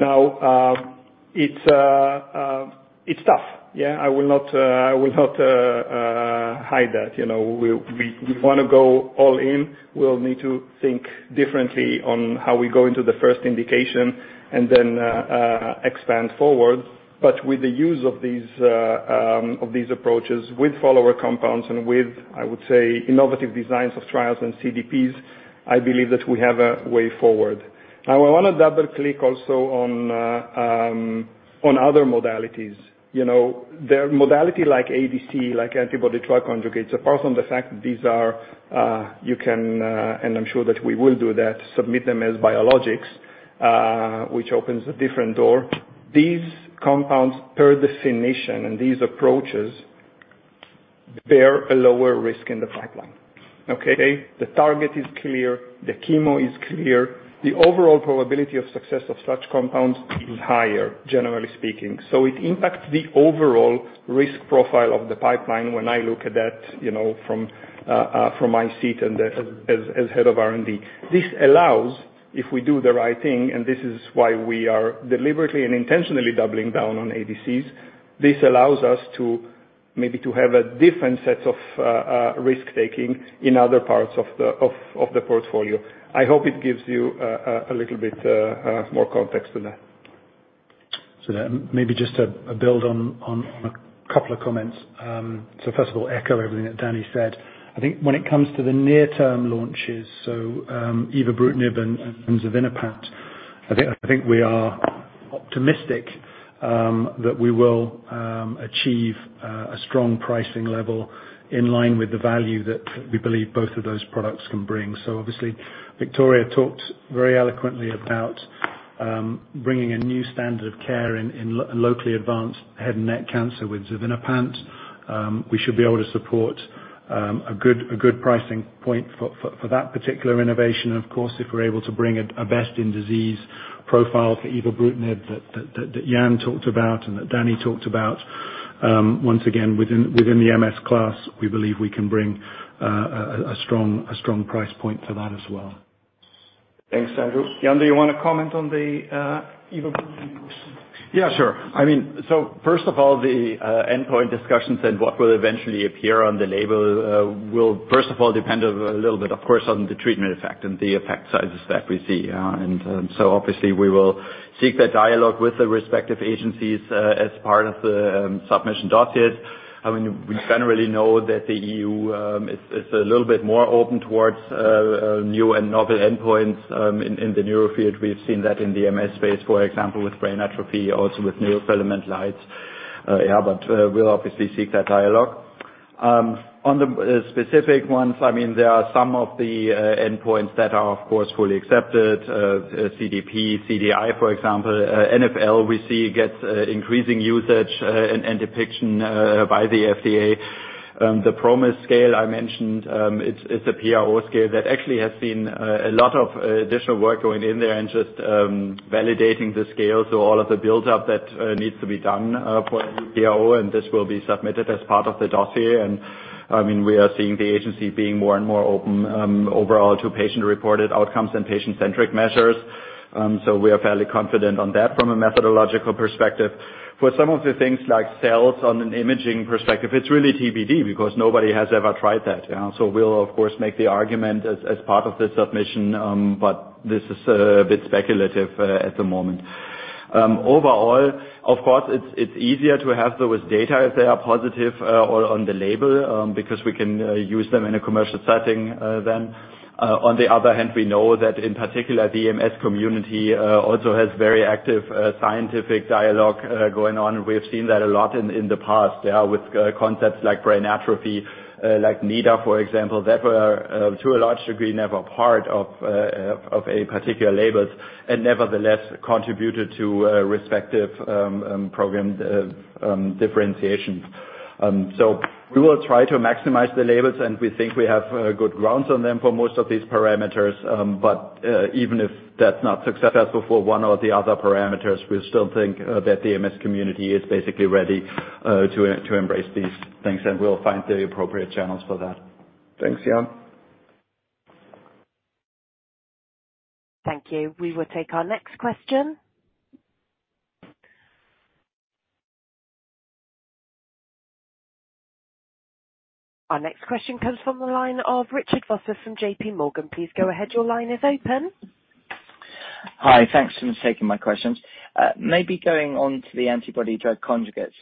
Now, it's tough. Yeah. I will not, I will not hide that. You know, we wanna go all in. We'll need to think differently on how we go into the first indication and then expand forward. With the use of these of these approaches, with follower compounds and with, I would say, innovative designs of trials and CDPs, I believe that we have a way forward. I wanna double-click also on other modalities. You know, their modality like ADC, like antibody-drug conjugates, apart from the fact that these are, you can, and I'm sure that we will do that, submit them as biologics, which opens a different door. These compounds per definition and these approaches bear a lower risk in the pipeline, okay? The target is clear, the chemo is clear. The overall probability of success of such compounds is higher, generally speaking. It impacts the overall risk profile of the pipeline when I look at that, you know, from from my seat and as head of R&D. This allows, if we do the right thing, and this is why we are deliberately and intentionally doubling down on ADCs, this allows us to maybe to have a different sets of risk-taking in other parts of the portfolio. I hope it gives you a little bit more context to that. Maybe just to build on a couple of comments. First of all, echo everything that Danny said. I think when it comes to the near-term launches, Evobrutinib and Xevinapant, I think we are optimistic that we will achieve a strong pricing level in line with the value that we believe both of those products can bring. Obviously, Victoria talked very eloquently about bringing a new standard of care in locally advanced head neck cancer with Xevinapant. We should be able to support a good pricing point for that particular innovation. If we're able to bring a best-in-disease profile for Evobrutinib that Jan talked about and that Danny talked about, once again, within the MS class, we believe we can bring a strong price point to that as well. Thanks, Andrew. Jan, do you wanna comment on the Evobrutinib? Yeah, sure. I mean, first of all, the endpoint discussions and what will eventually appear on the label will, first of all, depend a little bit, of course, on the treatment effect and the effect sizes that we see. Obviously, we will seek that dialogue with the respective agencies as part of the submission dossiers. I mean, we generally know that the EU is a little bit more open towards new and novel endpoints in the neuro field. We've seen that in the MS space, for example, with brain atrophy, also with neurofilament lights. Yeah, we'll obviously seek that dialogue. On the specific ones, I mean, there are some of the endpoints that are, of course, fully accepted. CDP, CDI, for example. NfL, we see, gets increasing usage and depiction by the FDA. The PROMIS scale I mentioned, it's a PRO scale that actually has seen a lot of additional work going in there and just validating the scale. All of the build-up that needs to be done for any PRO, and this will be submitted as part of the dossier. I mean, we are seeing the agency being more and more open overall to patient-reported outcomes and patient-centric measures. We are fairly confident on that from a methodological perspective. For some of the things like cells on an imaging perspective, it's really TBD because nobody has ever tried that. We'll, of course, make the argument as part of the submission, but this is a bit speculative at the moment. Overall, of course, it's easier to have those data if they are positive, or on the label, because we can use them in a commercial setting, then. On the other hand, we know that in particular, the MS community also has very active scientific dialogue going on. We have seen that a lot in the past, yeah, with concepts like brain atrophy, like NEDA, for example, that were to a large degree, never part of a particular labels, and nevertheless, contributed to respective program differentiation. We will try to maximize the labels, and we think we have good grounds on them for most of these parameters. Even if that's not successful for one or the other parameters, we still think that the MS community is basically ready to embrace these things, and we'll find the appropriate channels for that. Thanks, Jan. Thank you. We will take our next question. Our next question comes from the line of Richard Vosser from JPMorgan. Please go ahead. Your line is open. Hi. Thanks for taking my questions. Maybe going on to the antibody drug conjugates.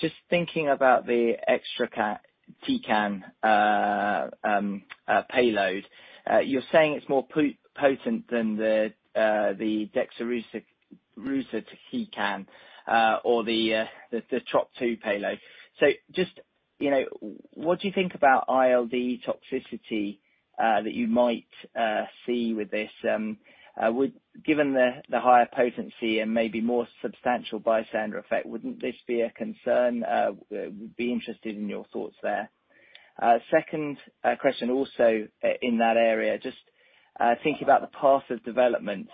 Just thinking about the exatecan payload. You're saying it's more potent than the deruxtecan, or the Trop-2 payload. Just, you know, what do you think about ILD toxicity that you might see with this? Given the higher potency and maybe more substantial bystander effect, wouldn't this be a concern? Would be interested in your thoughts there. Second question also in that area. Just thinking about the path of development.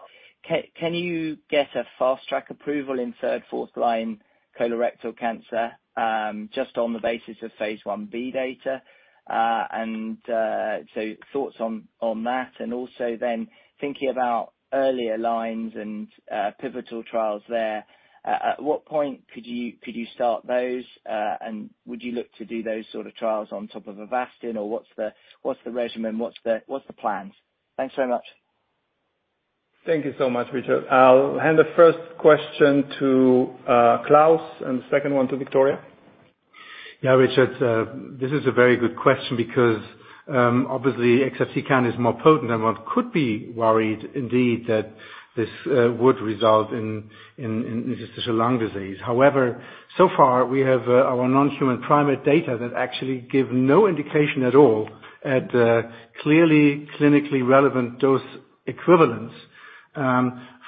Can you get a fast-track approval in third, fourth line colorectal cancer just on the basis of phase 1-B data? Thoughts on that. Also then thinking about earlier lines and pivotal trials there, at what point could you start those? Would you look to do those sort of trials on top of Avastin or what's the regimen, what's the plans? Thanks so much. Thank you so much, Richard. I'll hand the first question to Klaus and the second one to Victoria. Yeah, Richard, this is a very good question because obviously Xigac is more potent and one could be worried indeed that this would result in interstitial lung disease. So far we have our non-human primate data that actually give no indication at all at the clearly clinically relevant dose equivalents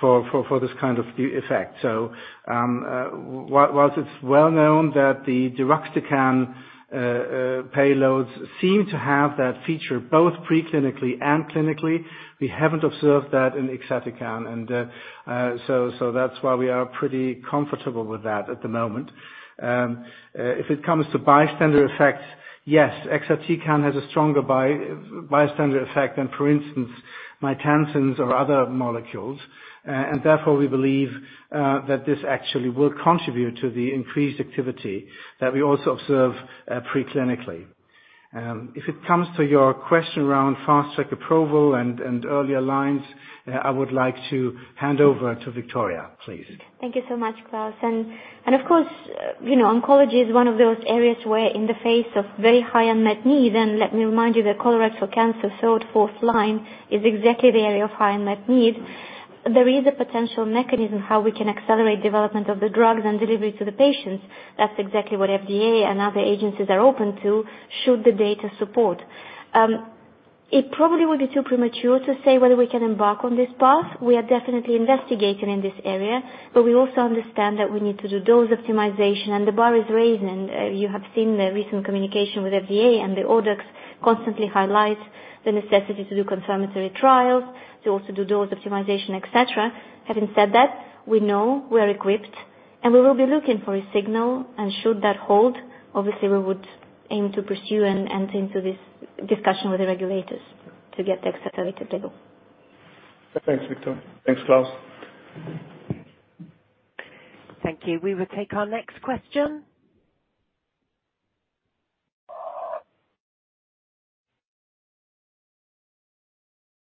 For this kind of effect. Whilst it's well known that the deruxtecan payloads seem to have that feature both preclinically and clinically, we haven't observed that in exatecan. So that's why we are pretty comfortable with that at the moment. If it comes to bystander effects, yes, exatecan has a stronger bystander effect than, for instance, maytansines or other molecules. Therefore, we believe that this actually will contribute to the increased activity that we also observe preclinically. If it comes to your question around fast-track approval and earlier lines, I would like to hand over to Victoria, please. Thank you so much, Klaus. Of course, you know, oncology is one of those areas where in the face of very high unmet need, and let me remind you that colorectal cancer, third, fourth line is exactly the area of high unmet need. There is a potential mechanism how we can accelerate development of the drugs and deliver it to the patients. That's exactly what FDA and other agencies are open to should the data support. It probably would be too premature to say whether we can embark on this path. We are definitely investigating in this area, but we also understand that we need to do dose optimization, and the bar is raising. You have seen the recent communication with FDA, and the orders constantly highlight the necessity to do confirmatory trials, to also do dose optimization, et cetera. Having said that, we know we are equipped, and we will be looking for a signal. Should that hold, obviously we would aim to pursue and enter into this discussion with the regulators to get the accelerated label. Thanks, Victoria. Thanks, Klaus. Thank you. We will take our next question.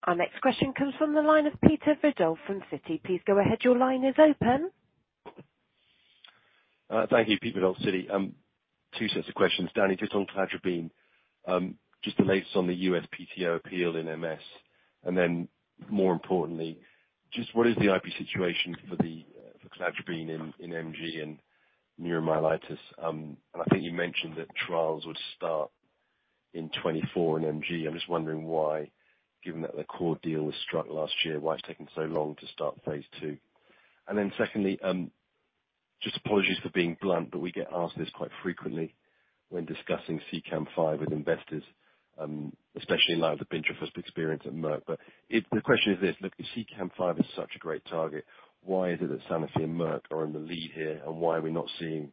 Our next question comes from the line of Peter Verdult from Citi. Please go ahead. Your line is open. Thank you. Peter Verdult, Citi. Two sets of questions. Danny, just on cladribine, just the latest on the USPTO appeal in MS? More importantly, just what is the IP situation for the, for cladribine in MG and neuromyelitis? I think you mentioned that trials would start in 2024 in MG. I'm just wondering why, given that the core deal was struck last year, why it's taking so long to start phase II? Secondly, just apologies for being blunt, but we get asked this quite frequently when discussing CEACAM5 with investors, especially in light of the pentraxin experience at Merck. The question is this, look, if CEACAM5 is such a great target, why is it that Sanofi and Merck are in the lead here? Why are we not seeing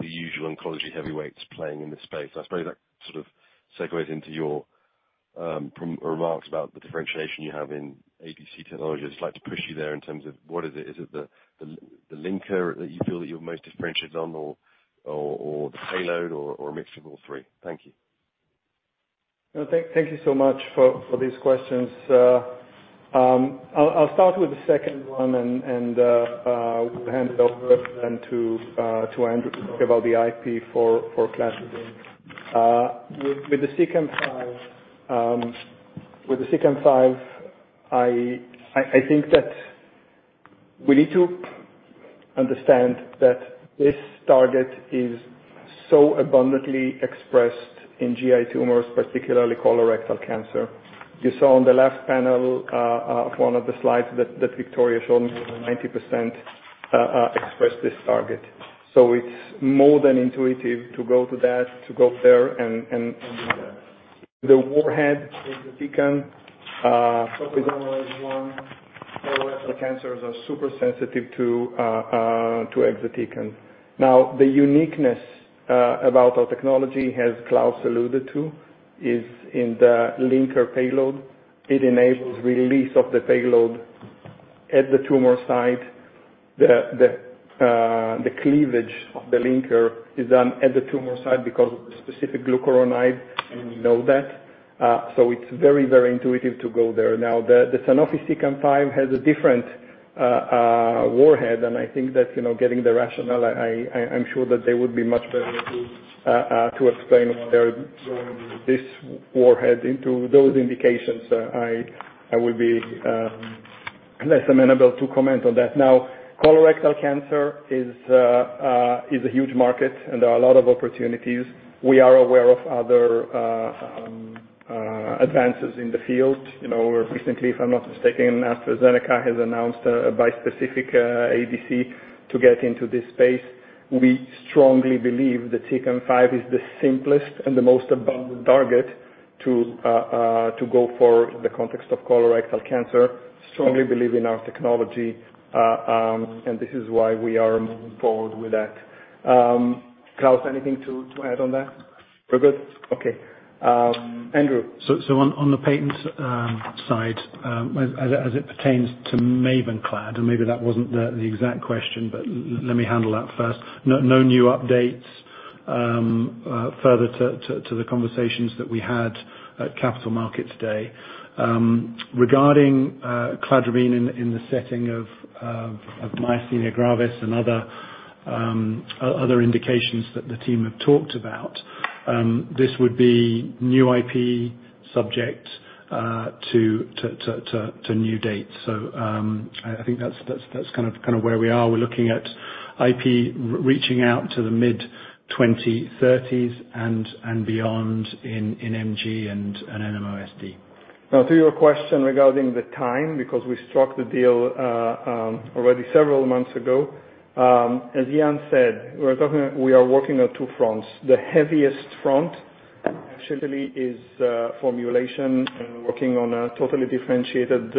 the usual oncology heavyweights playing in this space? I suppose that sort of segues into your remarks about the differentiation you have in ADC technologies. I'd like to push you there in terms of what is it? Is it the linker that you feel that you're most differentiated on or the payload or a mix of all three? Thank you. No. Thank you so much for these questions. I'll start with the second one and hand over then to Andrew to talk about the IP for cladribine. With CEACAM5, I think that we need to understand that this target is so abundantly expressed in GI tumors, particularly colorectal cancer. You saw on the left panel, one of the slides that Victoria showed me, 90% expressed this target. It's more than intuitive to go there and do that. The warhead exatecan, hospitalized one, colorectal cancers are super sensitive to exatecan. The uniqueness about our technology, as Klaus alluded to, is in the linker payload. It enables release of the payload at the tumor site. The cleavage of the linker is done at the tumor site because of the specific glucuronide, and we know that. It's very, very intuitive to go there. The Sanofi CEACAM5 has a different warhead, and I think that, you know, getting the rationale, I'm sure that they would be much better placed to explain why they're going with this warhead into those indications. I would be less amenable to comment on that. Colorectal cancer is a huge market, and there are a lot of opportunities. We are aware of other advances in the field. You know, recently, if I'm not mistaken, AstraZeneca has announced a bispecific ADC to get into this space. We strongly believe that CEACAM5 is the simplest and the most abundant target to go for the context of colorectal cancer. Strongly believe in our technology, this is why we are moving forward with that. Klaus, anything to add on that? We're good? Okay. Andrew. On the patent side, as it pertains to MAVENCLAD, and maybe that wasn't the exact question, but let me handle that first. No new updates further to the conversations that we had at Capital Markets Day. Regarding cladribine in the setting of myasthenia gravis and other indications that the team have talked about, this would be new IP subject to new dates. I think that's kind of where we are. We're looking at- IP reaching out to the mid-2030s and beyond in MG and in NMOSD. Now to your question regarding the time, because we struck the deal already several months ago. As Jan said, we are working on two fronts. The heaviest front actually is formulation, and we're working on a totally differentiated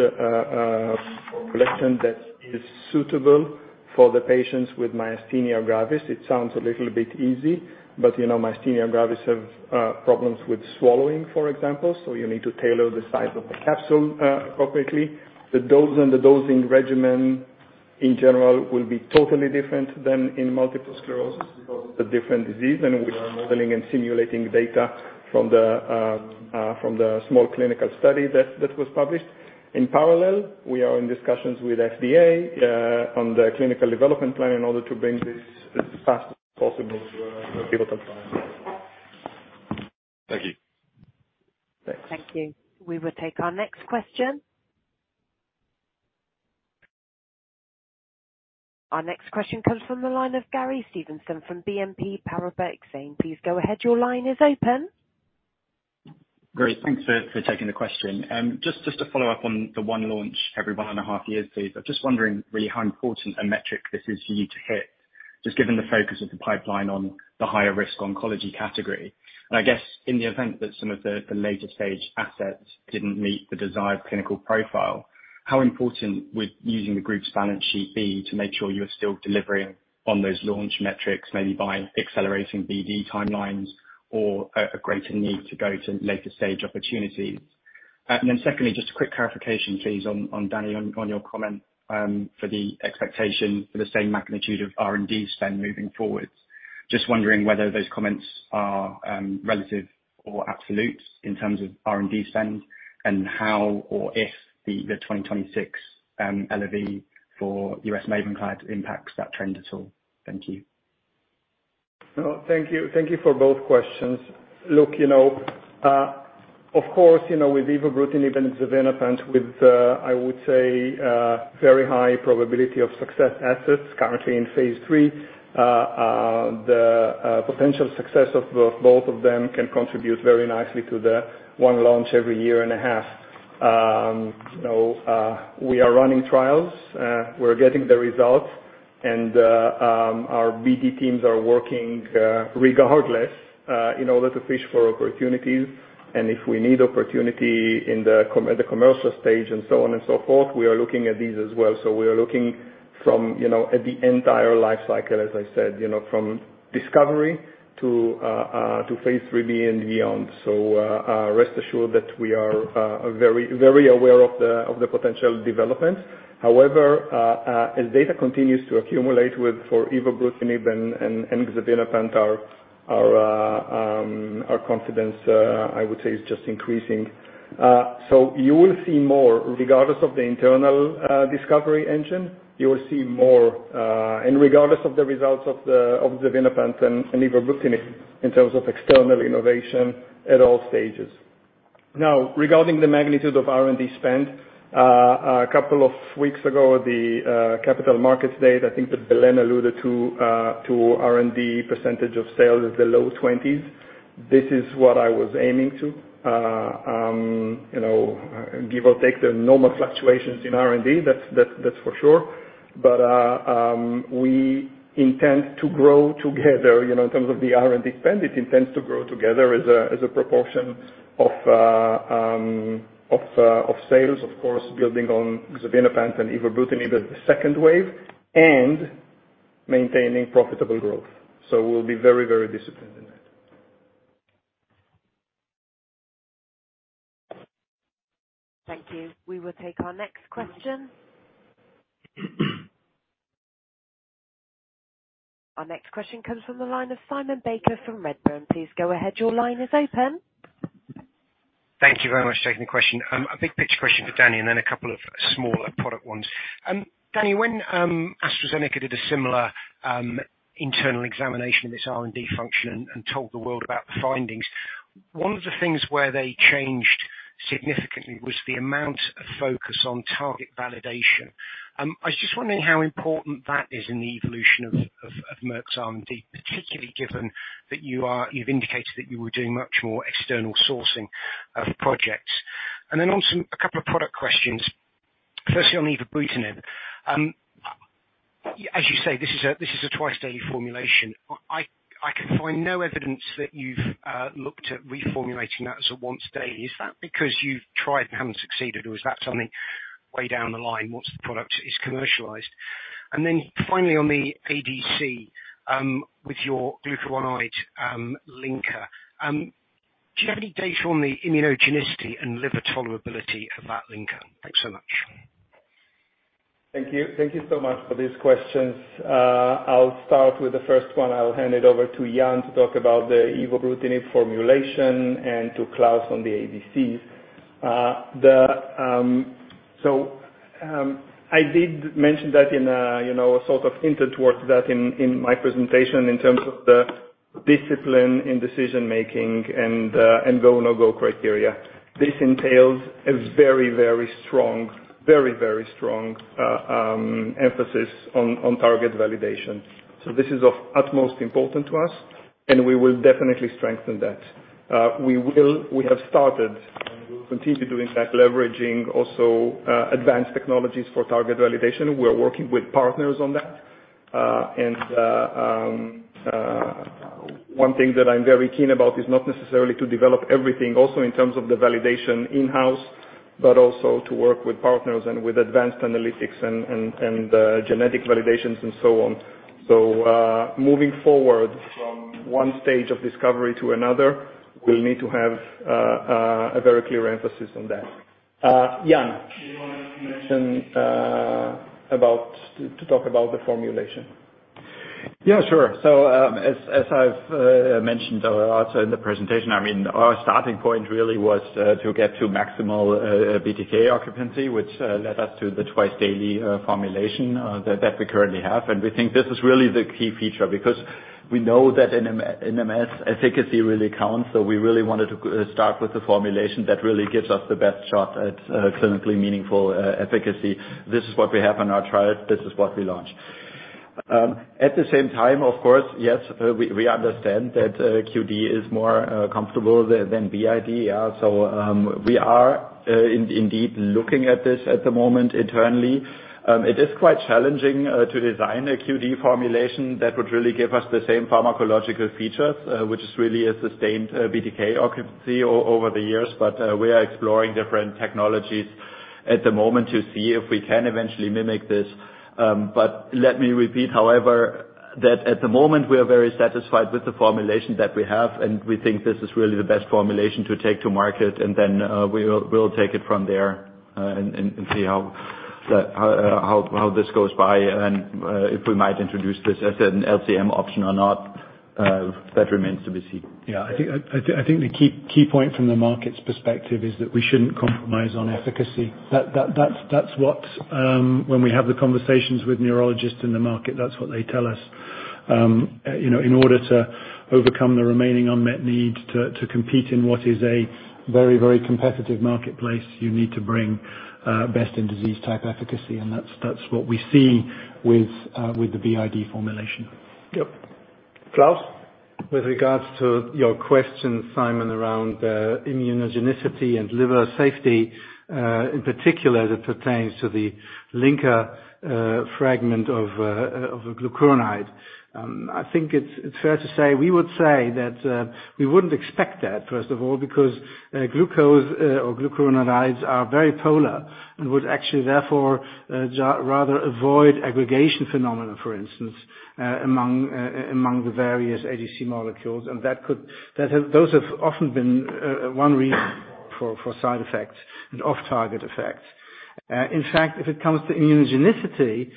formulation that is suitable for the patients with myasthenia gravis. It sounds a little bit easy, but you know, myasthenia gravis have problems with swallowing, for example, so you need to tailor the size of the capsule appropriately. The dose and the dosing regimen in general will be totally different than in multiple sclerosis because it's a different disease, and we are modeling and simulating data from the small clinical study that was published. In parallel, we are in discussions with FDA on the clinical development plan in order to bring this as fast as possible to a pivotal trial. Thank you. Thanks. Thank you. We will take our next question. Our next question comes from the line of Gary Steventon from BNP Paribas Exane. Please go ahead. Your line is open. Great. Thanks for taking the question. Just to follow up on the one launch every one and a half year phase. I'm just wondering really how important a metric this is for you to hit, just given the focus of the pipeline on the higher risk oncology category. I guess in the event that some of the later-stage assets didn't meet the desired clinical profile, how important would using the group's balance sheet be to make sure you're still delivering on those launch metrics, maybe by accelerating BD timelines or a greater need to go to later-stage opportunities? Secondly, just a quick clarification please on Danny, on your comment for the expectation for the same magnitude of R&D spend moving forward. Just wondering whether those comments are relative or absolute in terms of R&D spend and how or if the 2026 LOE for US MAVENCLAD impacts that trend at all. Thank you. No, thank you. Thank you for both questions. Look, you know, of course, you know, with Ibrutinib and Xevinapant with, I would say, very high probability of success assets currently in phase III, the potential success of both of them can contribute very nicely to the one launch every year and a half. You know, we are running trials. We're getting the results and our BD teams are working regardless in order to fish for opportunities. If we need opportunity at the commercial stage and so on and so forth, we are looking at these as well. We are looking from, you know, at the entire life cycle, as I said, you know, from discovery to phase III-B and beyond. Rest assured that we are very, very aware of the potential developments. However, as data continues to accumulate with for Ibrutinib and Xevinapant, our confidence, I would say, is just increasing. You will see more regardless of the internal discovery engine, you will see more, and regardless of the results of Xevinapant and Ibrutinib in terms of external innovation at all stages. Now, regarding the magnitude of R&D spend, a couple of weeks ago, the Capital Markets Day, I think that Belén alluded to R&D percentage of sales is the low 20s. This is what I was aiming to, you know, give or take the normal fluctuations in R&D. That's for sure. We intend to grow together, you know, in terms of the R&D spend. It intends to grow together as a proportion of sales, of course, building on Xevinapant and Ibrutinib at the second wave and maintaining profitable growth. We'll be very, very disciplined in that. Thank you. We will take our next question. Our next question comes from the line of Simon Baker from Redburn. Please go ahead. Your line is open. Thank you very much for taking the question. A big picture question for Danny and then a couple of smaller product ones. Danny, when AstraZeneca did a similar internal examination of its R&D function and told the world about the findings, one of the things where they changed significantly was the amount of focus on target validation. I was just wondering how important that is in the evolution of Merck's R&D, particularly given that you've indicated that you were doing much more external sourcing of projects. A couple of product questions. Firstly, on Ibrutinib. As you say, this is a twice-daily formulation. I can find no evidence that you've looked at reformulating that as a once-daily. Is that because you've tried and haven't succeeded, or is that something way down the line once the product is commercialized? Finally on the ADC, with your glucuronide, linker, do you have any data on the immunogenicity and liver tolerability of that linker? Thanks so much. Thank you. Thank you so much for these questions. I'll start with the first one. I'll hand it over to Jan to talk about the Ibrutinib formulation and to Klaus on the ADCs. I did mention that in, you know, sort of hinted towards that in my presentation in terms of Discipline in decision making and go, no-go criteria. This entails a very, very strong emphasis on target validation. This is of utmost importance to us, and we will definitely strengthen that. We have started, and we'll continue doing that, leveraging also, advanced technologies for target validation. We are working with partners on that. One thing that I'm very keen about is not necessarily to develop everything also in terms of the validation in-house, but also to work with partners and with advanced analytics and genetic validations and so on. Moving forward from one stage of discovery to another, we'll need to have a very clear emphasis on that. Jan, do you wanna mention, to talk about the formulation? ned also in the presentation, I mean, our starting point really was to get to maximal BTK occupancy, which led us to the twice daily formulation that we currently have. And we think this is really the key feature because we know that in MS, efficacy really counts. So we really wanted to start with a formulation that really gives us the best shot at clinically meaningful efficacy. This is what we have on our trial. This is what we launch. At the same time, of course, yes, we understand that QD is more comfortable than BID. So we are indeed looking at this at the moment internally. It is quite challenging to design a QD formulation that would really give us the same pharmacological features, which is really a sustained BTK occupancy over the years. We are exploring different technologies at the moment to see if we can eventually mimic this. Let me repeat, however, that at the moment we are very satisfied with the formulation that we have, and we think this is really the best formulation to take to market. We'll take it from there and see how this goes by and if we might introduce this as an LCM option or not, that remains to be seen. Yeah. I think the key point from the market's perspective is that we shouldn't compromise on efficacy. That's what when we have the conversations with neurologists in the market, that's what they tell us. You know, in order to overcome the remaining unmet need to compete in what is a very, very competitive marketplace, you need to bring best in disease type efficacy, and that's what we see with the BID formulation. Yep. Klaus. With regards to your question, Simon, around immunogenicity and liver safety, in particular that pertains to the linker fragment of a glucuronide. I think it's fair to say, we would say that we wouldn't expect that, first of all, because glucose or glucuronides are very polar and would actually therefore, rather avoid aggregation phenomena, for instance, among the various ADC molecules. Those have often been one reason for side effects and off-target effects. In fact, if it comes to immunogenicity,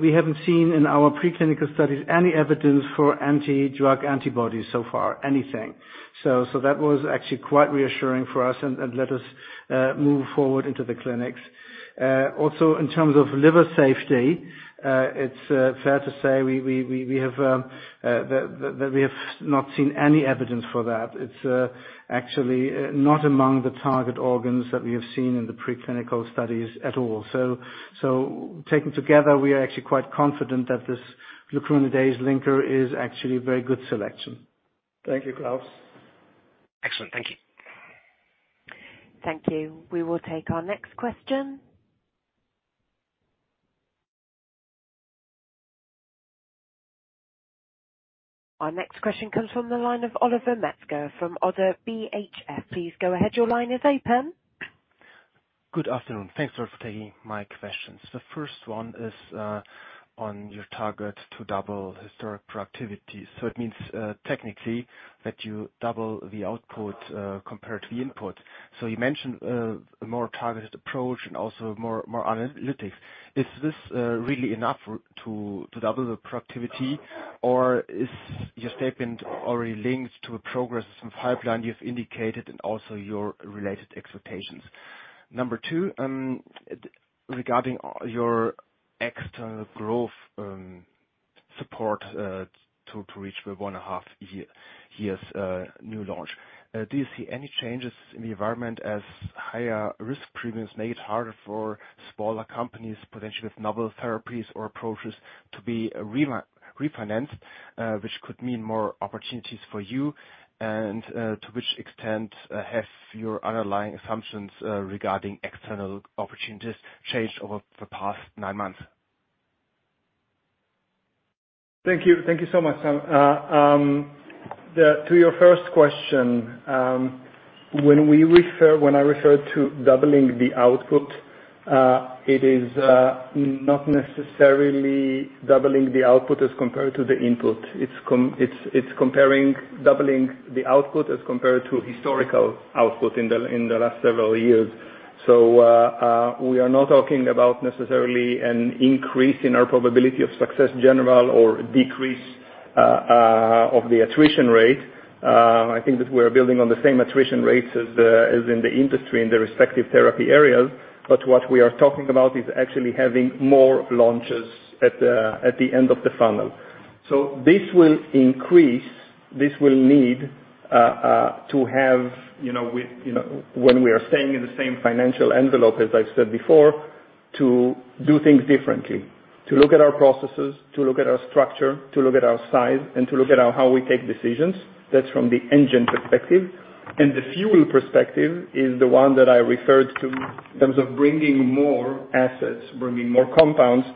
we haven't seen in our preclinical studies any evidence for anti-drug antibodies so far, anything. That was actually quite reassuring for us and let us move forward into the clinics. In terms of liver safety, it's fair to say we have that we have not seen any evidence for that. It's actually not among the target organs that we have seen in the preclinical studies at all. Taken together, we are actually quite confident that this glucuronidase linker is actually a very good selection. Thank you, Klaus. Excellent. Thank you. Thank you. We will take our next question. Our next question comes from the line of Oliver Metzger from Oddo BHF. Please go ahead. Your line is open. Good afternoon. Thanks for taking my questions. The first one is on your target to double historic productivity. It means technically that you double the output compared to the input. You mentioned a more targeted approach and also more analytics. Is this really enough to double the productivity or is your statement already linked to a progress in pipeline you've indicated and also your related expectations? Number two, regarding your external growth support to reach the 1.5 years new launch. Do you see any changes in the environment as higher risk premiums make it harder for smaller companies, potentially with novel therapies or approaches, to be refinanced, which could mean more opportunities for you? to which extent, have your underlying assumptions, regarding external opportunities changed over the past nine months? Thank you. Thank you so much. To your first question, when I refer to doubling the output, it is not necessarily doubling the output as compared to the input. It's comparing doubling the output as compared to historical output in the last several years. We are not talking about necessarily an increase in our probability of success in general or decrease of the attrition rate. I think that we're building on the same attrition rates as in the industry in the respective therapy areas. What we are talking about is actually having more launches at at the end of the funnel. So this will increase, this will need to have, you know, with, you know, when we are staying in the same financial envelope, as I said before, to do things differently. To look at our processes, to look at our structure, to look at our size, and to look at how we take decisions. That's from the engine perspective. The fuel perspective is the one that I referred to in terms of bringing more assets, bringing more compounds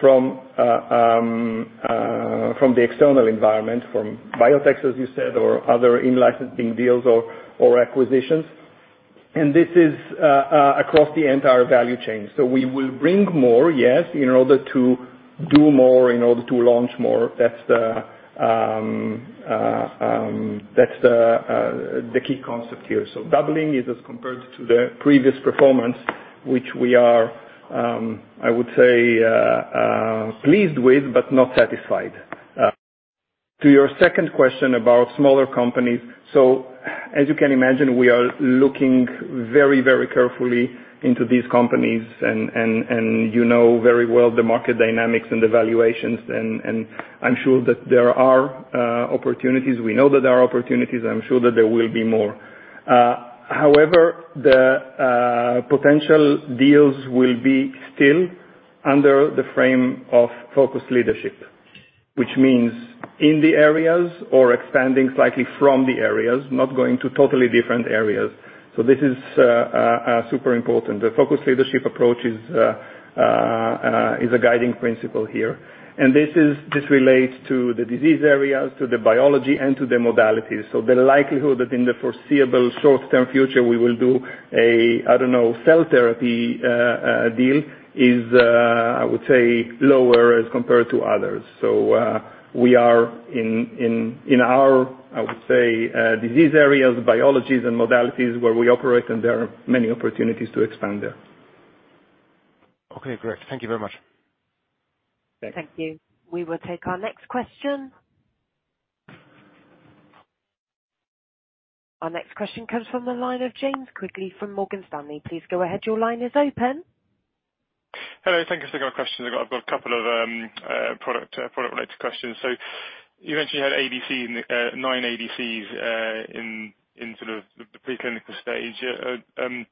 from from the external environment, from biotechs, as you said, or other in-licensing deals or acquisitions. This is across the entire value chain. We will bring more, yes, in order to do more, in order to launch more. That's the key concept here. Doubling is as compared to the previous performance, which we are, I would say, pleased with, but not satisfied. To your second question about smaller companies. As you can imagine, we are looking very, very carefully into these companies and you know very well the market dynamics and the valuations, and I'm sure that there are opportunities. We know that there are opportunities. I'm sure that there will be more. However, the potential deals will be still under the frame of focused leadership, which means in the areas or expanding slightly from the areas, not going to totally different areas. This is super important. The focused leadership approach is a guiding principle here. This relates to the disease areas, to the biology and to the modalities. The likelihood that in the foreseeable short-term future, we will do a, I don't know, cell therapy deal is, I would say, lower as compared to others. We are in our, I would say, disease areas, biologies and modalities where we operate, and there are many opportunities to expand there. Okay, great. Thank you very much. Thank you. Thank you. We will take our next question. Our next question comes from the line of James Quigley from Morgan Stanley. Please go ahead. Your line is open. Hello. Thank you for taking our question. I've got a couple of product-related questions. You mentioned you had ADC, nine ADCs in sort of the preclinical stage.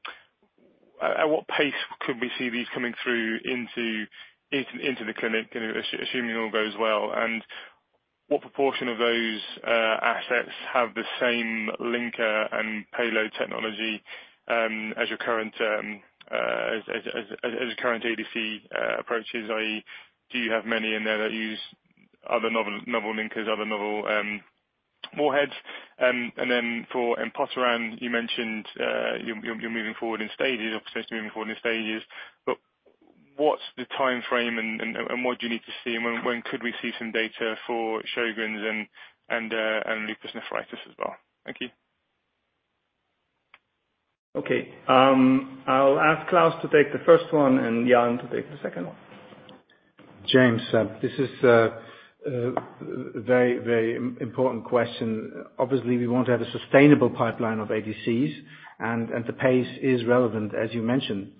At what pace could we see these coming through into the clinic, you know, assuming all goes well? What proportion of those assets have the same linker and payload technology as your current ADC approaches? IE, do you have many in there that use other novel linkers, other novel warheads? For empagliflozin, you mentioned you're moving forward in stages, opportunity to move forward in stages. what's the timeframe and what do you need to see, and when could we see some data for Sjögren's and lupus nephritis as well? Thank you. Okay. I'll ask Klaus to take the first one and Jan to take the second one. James, this is a very, very important question. Obviously, we want to have a sustainable pipeline of ADCs and the pace is relevant, as you mentioned.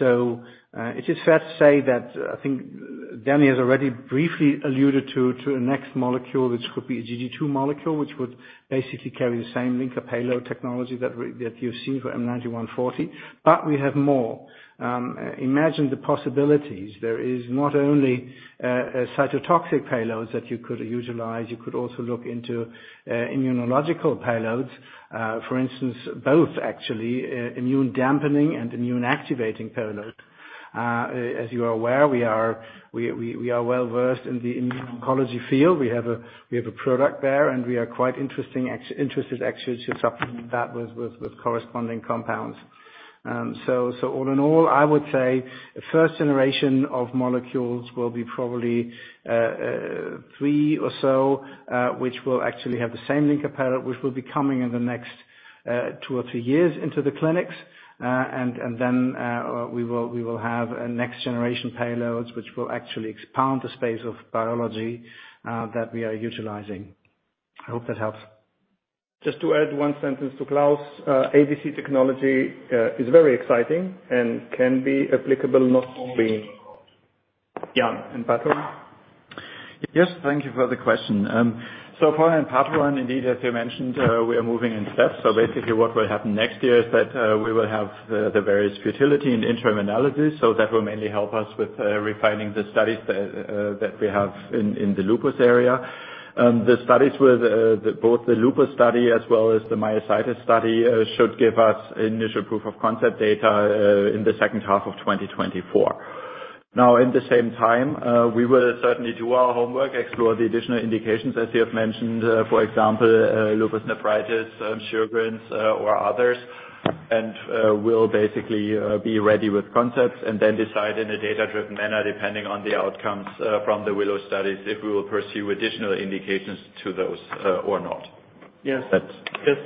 It is fair to say that I think Danny has already briefly alluded to a next molecule, which could be a GG two molecule, which would basically carry the same linker payload technology that you've seen for M9140. We have more. Imagine the possibilities. There is not only cytotoxic payloads that you could utilize, you could also look into immunological payloads. For instance, both actually immune dampening and immune activating payloads. As you are aware, we are well-versed in the oncology field. We have a product there. We are quite interested, actually, to supplement that with corresponding compounds. All in all, I would say the first generation of molecules will be probably three or so, which will actually have the same linker payload, which will be coming in the next two or three years into the clinics. Then we will have a next generation payloads, which will actually expand the space of biology that we are utilizing. I hope that helps. Just to add one sentence to Klaus. ADC technology is very exciting and can be applicable not only Jan, empagliflozin. Yes, thank you for the question. For empagliflozin, indeed, as you mentioned, we are moving in steps. Basically what will happen next year is that we will have the various futility and interim analysis. That will mainly help us with refining the studies that we have in the lupus area. The studies with both the lupus study as well as the myositis study, should give us initial proof of concept data in the second half of 2024. Now, at the same time, we will certainly do our homework, explore the additional indications, as you have mentioned, for example, lupus nephritis, Sjögren's, or others. We'll basically, be ready with concepts and then decide in a data-driven manner, depending on the outcomes, from the WILLOW studies, if we will pursue additional indications to those, or not. Yes,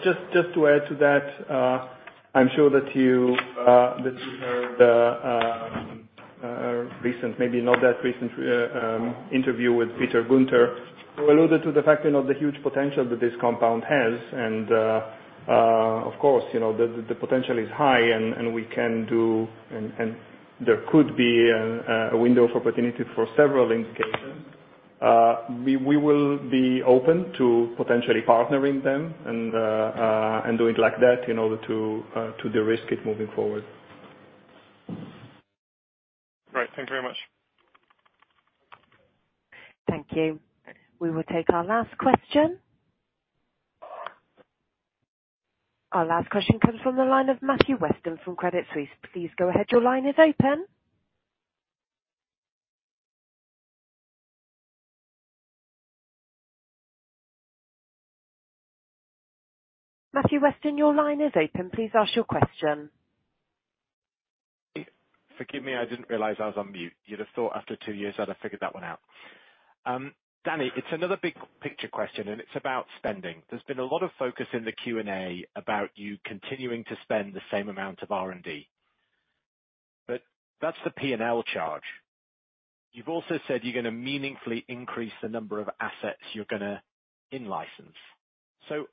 just to add to that, I'm sure that you that you heard the recent, maybe not that recent, interview with Peter Guenter, who alluded to the fact, you know, the huge potential that this compound has. Of course, you know, the potential is high, and there could be a window of opportunity for several indications. We will be open to potentially partnering them and do it like that in order to de-risk it moving forward. Right. Thank you very much. Thank you. We will take our last question. Our last question comes from the line of Matthew Weston from Credit Suisse. Please go ahead. Your line is open. Matthew Weston, your line is open. Please ask your question. Forgive me, I didn't realize I was on mute. You'd have thought after two years, I'd have figured that one out. Danny, it's another big picture question, and it's about spending. There's been a lot of focus in the Q&A about you continuing to spend the same amount of R&D. That's the P&L charge. You've also said you're gonna meaningfully increase the number of assets you're gonna in-license.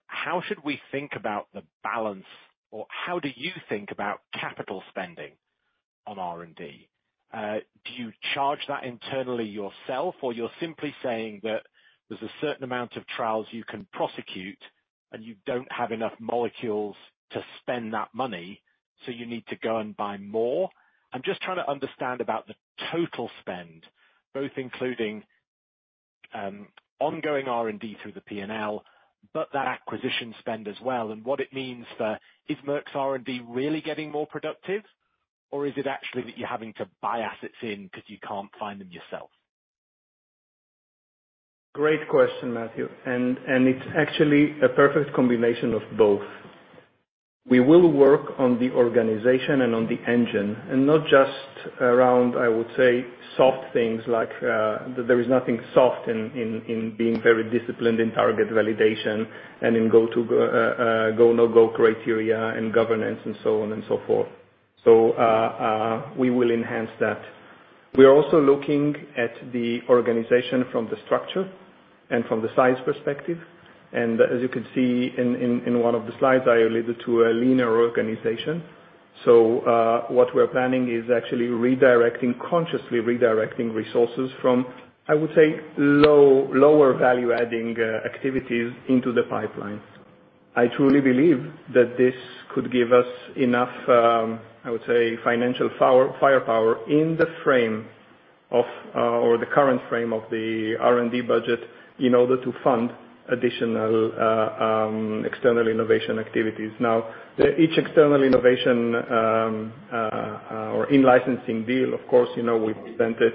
How should we think about the balance or how do you think about capital spending on R&D? Do you charge that internally yourself, or you're simply saying that there's a certain amount of trials you can prosecute and you don't have enough molecules to spend that money, so you need to go and buy more? I'm just trying to understand about the total spend, both including, ongoing R&D through the P&L, but that acquisition spend as well. Is Merck's R&D really getting more productive or is it actually that you're having to buy assets in cause you can't find them yourself? Great question, Matthew. It's actually a perfect combination of both. We will work on the organization and on the engine, and not just around, I would say, soft things like, there is nothing soft in being very disciplined in target validation and in go to go, no-go criteria and governance and so on and so forth. We will enhance that. We are also looking at the organization from the structure and from the size perspective. As you can see in one of the slides, I alluded to a leaner organization. What we're planning is actually redirecting, consciously redirecting resources from, I would say, low-lower value-adding activities into the pipeline. I truly believe that this could give us enough firepower in the frame of or the current frame of the R&D budget in order to fund additional external innovation activities. Each external innovation or in-licensing deal, of course, you know, we've presented,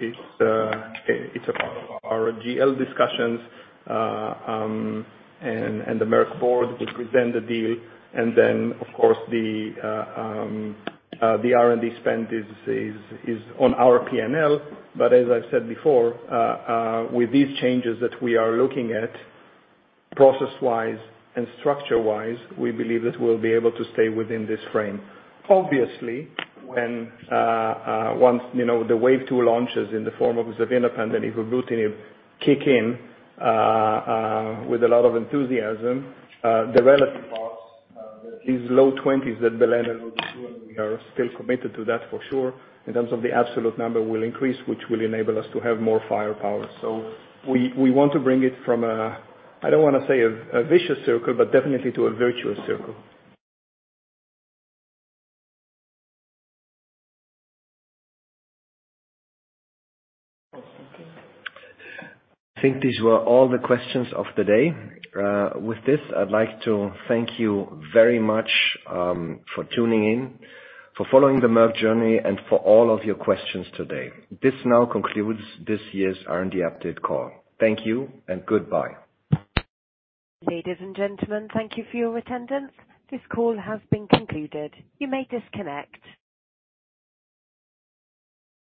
it's a part of our GL discussions, and the Merck board will present the deal. Of course, the R&D spend is on our P&L. As I've said before, with these changes that we are looking at process-wise and structure-wise, we believe that we'll be able to stay within this frame. Obviously, when once, you know, the wave two launches in the form of Xevinapant and Evobrutinib kick in, with a lot of enthusiasm, the relative parts, these low 20s that Belen and We are still committed to that for sure. In terms of the absolute number will increase, which will enable us to have more firepower. We want to bring it from a... I don't wanna say a vicious circle, but definitely to a virtuous circle. Thank you. I think these were all the questions of the day. With this, I'd like to thank you very much for tuning in, for following the Merck journey, and for all of your questions today. This now concludes this year's R&D update call. Thank you and goodbye. Ladies and gentlemen, thank you for your attendance. This call has been concluded. You may disconnect.